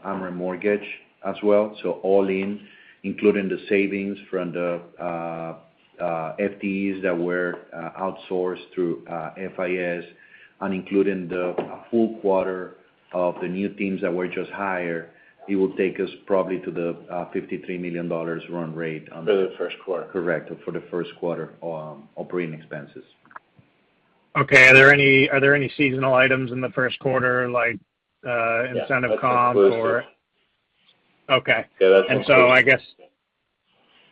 [SPEAKER 4] Amerant Mortgage as well. All in, including the savings from the FTEs that were outsourced through FIS and including the full quarter of the new teams that were just hired, it will take us probably to the $53 million run rate on the-
[SPEAKER 7] For the first quarter.
[SPEAKER 4] Correct. For the first quarter, operating expenses.
[SPEAKER 7] Okay. Are there any seasonal items in the first quarter like incentive comp or-
[SPEAKER 4] Yeah. That's inclusive.
[SPEAKER 7] Okay.
[SPEAKER 4] Yeah, that's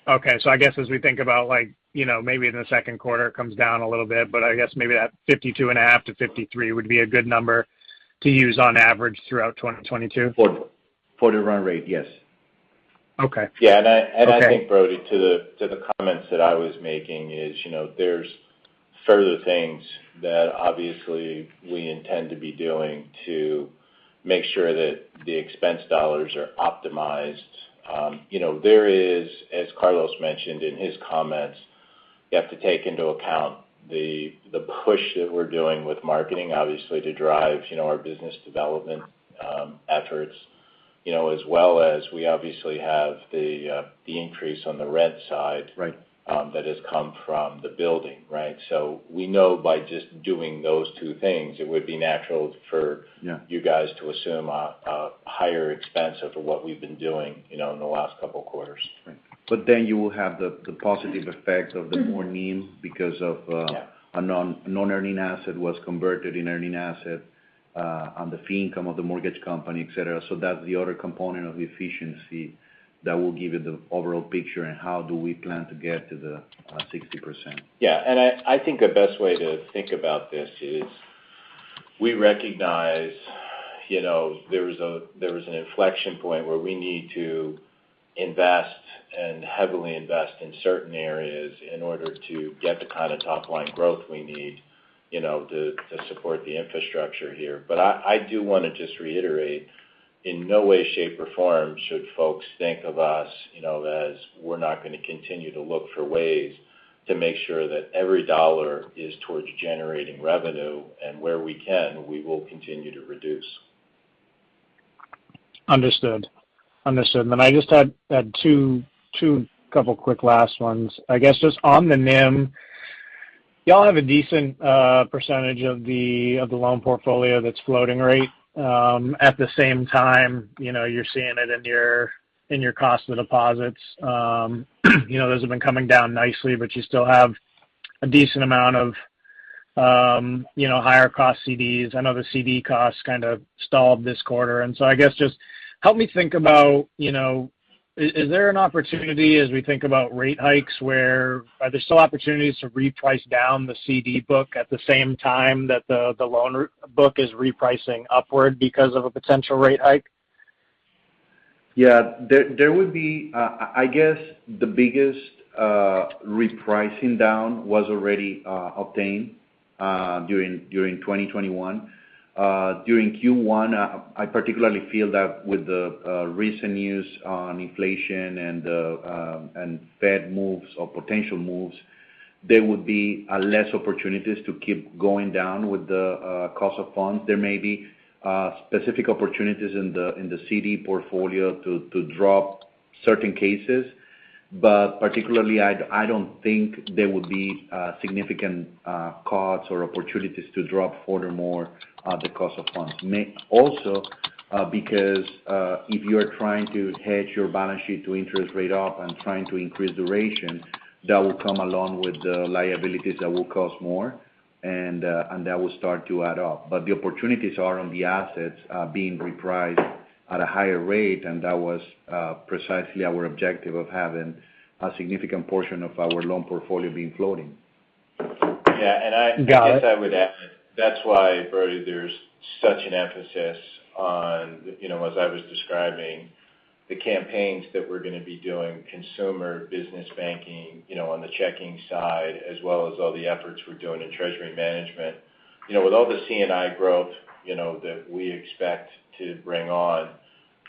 [SPEAKER 4] inclusive.
[SPEAKER 7] I guess as we think about like, you know, maybe in the second quarter it comes down a little bit. I guess maybe that 52.5-53 would be a good number to use on average throughout 2022.
[SPEAKER 4] For the run rate, yes.
[SPEAKER 7] Okay.
[SPEAKER 3] Yeah.
[SPEAKER 7] Okay.
[SPEAKER 3] I think, Brody, to the comments that I was making is, you know, there's further things that obviously we intend to be doing to make sure that the expense dollars are optimized. You know, there is, as Carlos mentioned in his comments, you have to take into account the push that we're doing with marketing, obviously, to drive, you know, our business development efforts. You know, as well as we obviously have the increase on the rent side-
[SPEAKER 7] Right
[SPEAKER 3] That has come from the building, right? We know by just doing those two things, it would be natural for-
[SPEAKER 7] Yeah
[SPEAKER 3] You guys to assume a higher expense than what we've been doing, you know, in the last couple of quarters.
[SPEAKER 7] Right.
[SPEAKER 4] You will have the positive effects of the more NIM because of
[SPEAKER 3] Yeah
[SPEAKER 4] A non-earning asset was converted into an earning asset on the fee income of the mortgage company, et cetera. That's the other component of efficiency that will give you the overall picture of how we plan to get to the 60%.
[SPEAKER 3] Yeah. I think the best way to think about this is we recognize, you know, there was an inflection point where we need to invest and heavily invest in certain areas in order to get the kind of top line growth we need, you know, to support the infrastructure here. I do wanna just reiterate, in no way, shape, or form should folks think of us, you know, as we're not gonna continue to look for ways to make sure that every dollar is towards generating revenue, and where we can, we will continue to reduce.
[SPEAKER 7] Understood. Then I just had two couple quick last ones. I guess just on the NIM, y'all have a decent percentage of the loan portfolio that's floating rate. At the same time, you know, you're seeing it in your cost of deposits. You know, those have been coming down nicely, but you still have a decent amount of, you know, higher cost CDs. I know the CD costs kind of stalled this quarter. I guess just help me think about, you know, is there an opportunity as we think about rate hikes where there are still opportunities to reprice down the CD book at the same time that the loan book is repricing upward because of a potential rate hike?
[SPEAKER 4] Yeah. There would be I guess the biggest repricing down was already obtained during 2021. During Q1, I particularly feel that with the recent news on inflation and the Fed moves or potential moves, there would be less opportunities to keep going down with the cost of funds. There may be specific opportunities in the CD portfolio to drop certain cases. Particularly, I don't think there will be significant cuts or opportunities to drop further more the cost of funds. Maybe also because if you are trying to hedge your balance sheet to interest rate up and trying to increase duration, that will come along with the liabilities that will cost more and that will start to add up. The opportunities are on the assets being repriced at a higher rate, and that was precisely our objective of having a significant portion of our loan portfolio being floating.
[SPEAKER 3] Yeah.
[SPEAKER 7] Got it.
[SPEAKER 3] I guess I would add that's why, Brody, there's such an emphasis on, you know, as I was describing the campaigns that we're gonna be doing, consumer business banking, you know, on the checking side, as well as all the efforts we're doing in treasury management. You know, with all the C&I growth, you know, that we expect to bring on,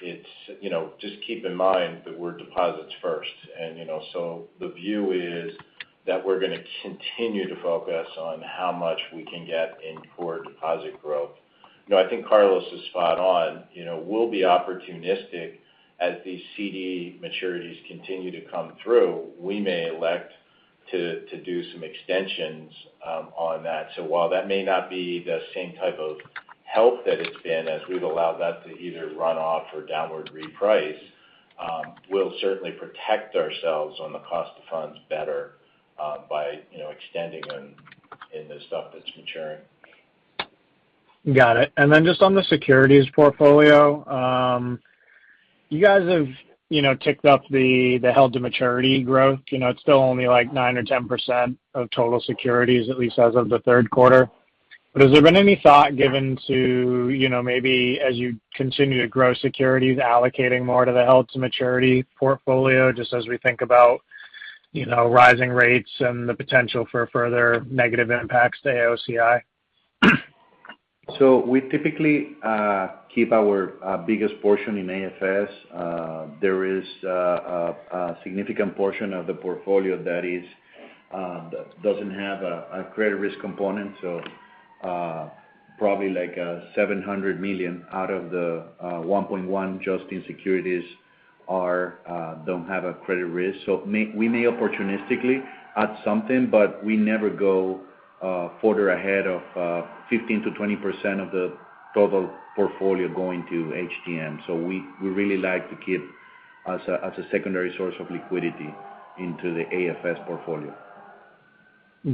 [SPEAKER 3] it's, you know, just keep in mind that we're deposits first. You know, the view is that we're gonna continue to focus on how much we can get in core deposit growth. You know, I think Carlos is spot on. You know, we'll be opportunistic as these CD maturities continue to come through. We may elect to do some extensions on that. While that may not be the same type of help that it's been as we've allowed that to either run off or downward reprice, we'll certainly protect ourselves on the cost of funds better by you know extending them in the stuff that's maturing.
[SPEAKER 7] Got it. Just on the securities portfolio. You guys have, you know, ticked up the held-to-maturity growth. You know, it's still only like 9% or 10% of total securities, at least as of the third quarter. Has there been any thought given to, you know, maybe as you continue to grow securities, allocating more to the held-to-maturity portfolio just as we think about, you know, rising rates and the potential for further negative impacts to AOCI?
[SPEAKER 4] We typically keep our biggest portion in AFS. There is a significant portion of the portfolio that doesn't have a credit risk component. Probably like $700 million out of the $1.1 billion just in securities don't have a credit risk. We may opportunistically add something, but we never go further ahead of 15%-20% of the total portfolio going to HTM. We really like to keep as a secondary source of liquidity into the AFS portfolio.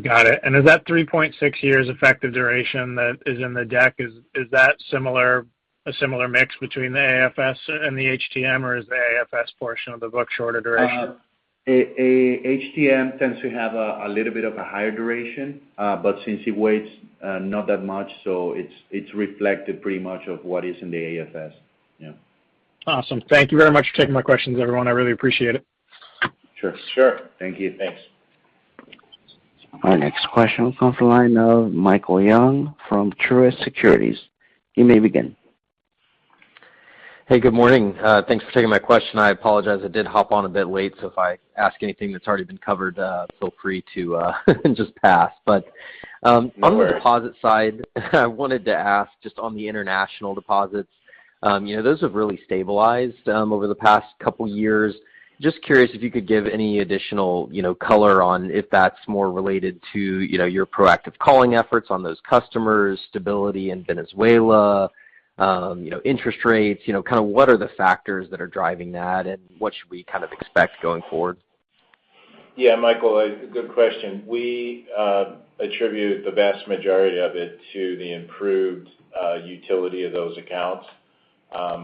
[SPEAKER 7] Got it. Is that 3.6 years effective duration that is in the deck, is that a similar mix between the AFS and the HTM, or is the AFS portion of the book shorter duration?
[SPEAKER 4] HTM tends to have a little bit of a higher duration. Since it weighs not that much, it's reflected pretty much of what is in the AFS. Yeah.
[SPEAKER 7] Awesome. Thank you very much for taking my questions, everyone. I really appreciate it.
[SPEAKER 4] Sure.
[SPEAKER 3] Sure. Thank you.
[SPEAKER 4] Thanks.
[SPEAKER 1] Our next question comes from the line of Michael Young from Truist Securities. You may begin.
[SPEAKER 8] Hey, good morning. Thanks for taking my question. I apologize, I did hop on a bit late, so if I ask anything that's already been covered, feel free to just pass.
[SPEAKER 3] No worries.
[SPEAKER 8] on the deposit side, I wanted to ask just on the international deposits. You know, those have really stabilized over the past couple years. Just curious if you could give any additional, you know, color on if that's more related to, you know, your proactive calling efforts on those customers, stability in Venezuela, you know, interest rates. You know, kind of what are the factors that are driving that, and what should we kind of expect going forward?
[SPEAKER 3] Yeah. Michael, a good question. We attribute the vast majority of it to the improved utility of those accounts.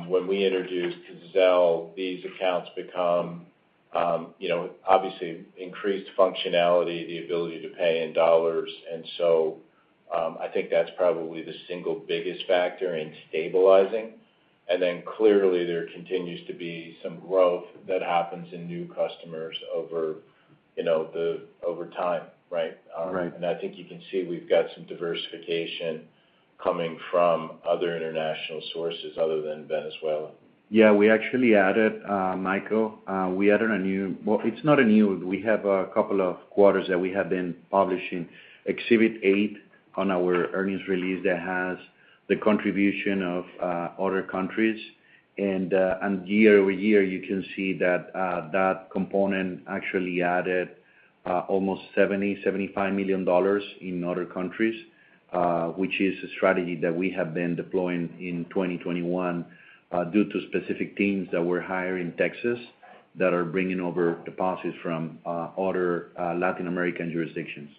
[SPEAKER 3] When we introduced Zelle, these accounts become, you know, obviously increased functionality, the ability to pay in dollars. I think that's probably the single biggest factor in stabilizing. Clearly, there continues to be some growth that happens in new customers over, you know, over time, right?
[SPEAKER 8] Right.
[SPEAKER 3] I think you can see we've got some diversification coming from other international sources other than Venezuela.
[SPEAKER 4] Yeah. We actually added, Michael. Well, it's not a new. We have a couple of quarters that we have been publishing exhibit eight on our earnings release that has the contribution of other countries. Year-over-year, you can see that that component actually added almost $70 million, $75 million in other countries, which is a strategy that we have been deploying in 2021 due to specific teams that we're hiring in Texas that are bringing over deposits from other Latin American jurisdictions.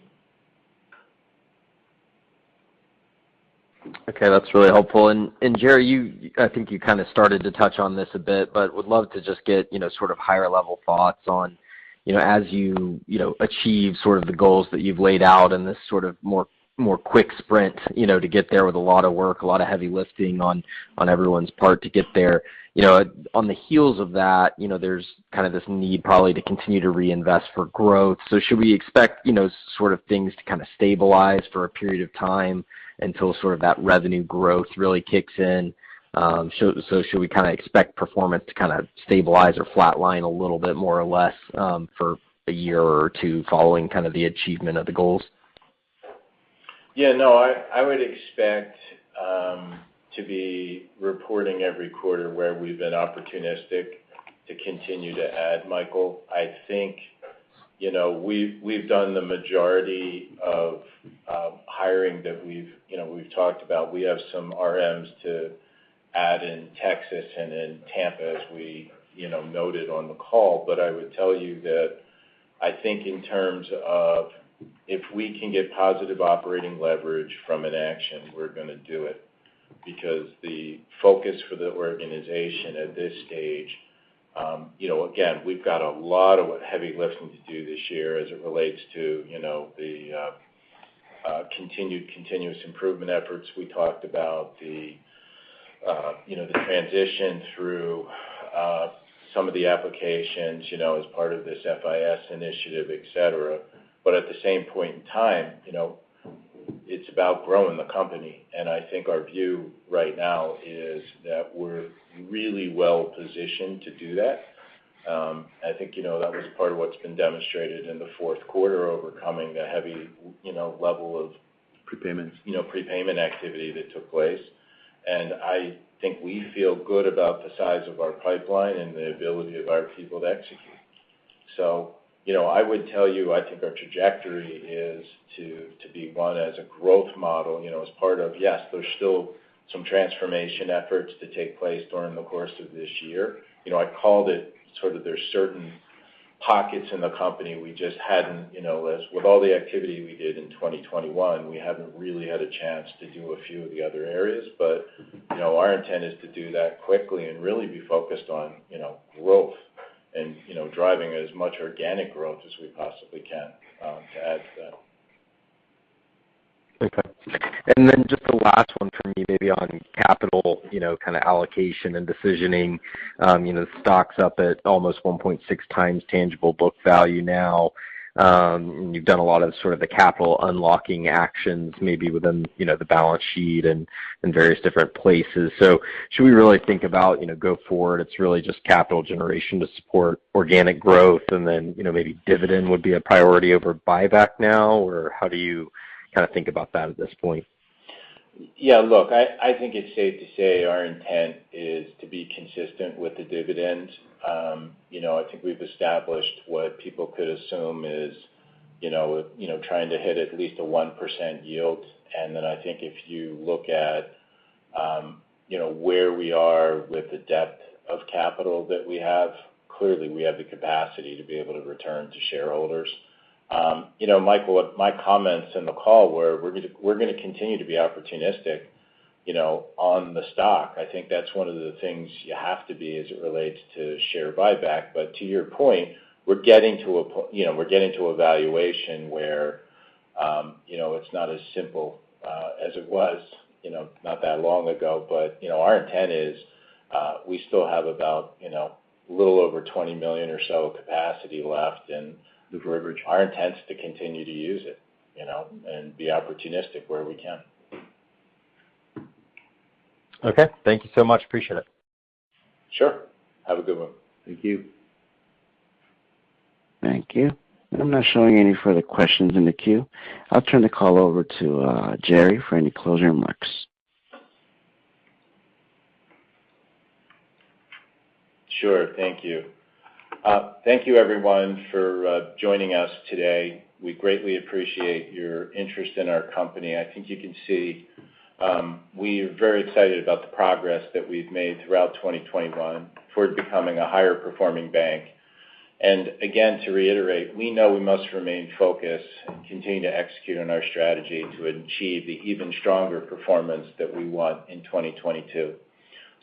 [SPEAKER 8] Okay. That's really helpful. Jerry, you, I think you kind of started to touch on this a bit, but would love to just get, you know, sort of higher level thoughts on, you know, as you know, achieve sort of the goals that you've laid out in this sort of more quick sprint, you know, to get there with a lot of work, a lot of heavy lifting on everyone's part to get there. You know, on the heels of that, you know, there's kind of this need probably to continue to reinvest for growth. Should we expect, you know, sort of things to kind of stabilize for a period of time until sort of that revenue growth really kicks in? Should we kind of expect performance to kind of stabilize or flatline a little bit more or less, for a year or two following kind of the achievement of the goals?
[SPEAKER 3] Yeah, no. I would expect to be reporting every quarter where we've been opportunistic to continue to add, Michael. I think, you know, we've done the majority of hiring that we've you know talked about. We have some RMs to add in Texas and in Tampa, as we you know noted on the call. I would tell you that I think in terms of if we can get positive operating leverage from an action, we're gonna do it because the focus for the organization at this stage, you know, again, we've got a lot of heavy lifting to do this year as it relates to you know the continued continuous improvement efforts. We talked about you know the transition through some of the applications, you know, as part of this FIS initiative, et cetera. At the same point in time, you know, it's about growing the company. I think our view right now is that we're really well positioned to do that. I think, you know, that was part of what's been demonstrated in the fourth quarter, overcoming the heavy, you know, level of.
[SPEAKER 4] Prepayments...
[SPEAKER 3] you know, prepayment activity that took place. I think we feel good about the size of our pipeline and the ability of our people to execute. You know, I would tell you, I think our trajectory is to be one, as a growth model, you know, as part of. Yes, there's still some transformation efforts to take place during the course of this year. You know, I called it sort of. There's certain pockets in the company we just hadn't, you know, as with all the activity we did in 2021, we haven't really had a chance to do a few of the other areas. You know, our intent is to do that quickly and really be focused on, you know, growth and, you know, driving as much organic growth as we possibly can, to add to that.
[SPEAKER 8] Okay. Just the last one for me maybe on capital, you know, kind of allocation and decisioning. You know, the stock's up at almost 1.6x tangible book value now. And you've done a lot of sort of the capital unlocking actions maybe within, you know, the balance sheet and various different places. Should we really think about, you know, go forward, it's really just capital generation to support organic growth and then, you know, maybe dividend would be a priority over buyback now? Or how do you kind of think about that at this point?
[SPEAKER 3] Yeah. Look, I think it's safe to say our intent is to be consistent with the dividend. You know, I think we've established what people could assume is you know trying to hit at least a 1% yield. I think if you look at you know where we are with the depth of capital that we have, clearly we have the capacity to be able to return to shareholders. You know, Michael, my comments in the call were we're gonna continue to be opportunistic you know on the stock. I think that's one of the things you have to be as it relates to share buyback. To your point, we're getting to a valuation where, you know, it's not as simple as it was, you know, not that long ago. You know, our intent is, we still have about, you know, a little over $20 million or so of capacity left, and our intent is to continue to use it, you know, and be opportunistic where we can.
[SPEAKER 8] Okay. Thank you so much. Appreciate it.
[SPEAKER 3] Sure. Have a good one.
[SPEAKER 4] Thank you.
[SPEAKER 1] Thank you. I'm not showing any further questions in the queue. I'll turn the call over to Jerry for any closing remarks.
[SPEAKER 3] Sure. Thank you. Thank you everyone for joining us today. We greatly appreciate your interest in our company. I think you can see we are very excited about the progress that we've made throughout 2021 toward becoming a higher performing bank. Again, to reiterate, we know we must remain focused and continue to execute on our strategy to achieve the even stronger performance that we want in 2022.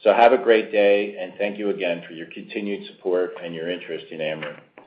[SPEAKER 3] Have a great day, and thank you again for your continued support and your interest in Amerant.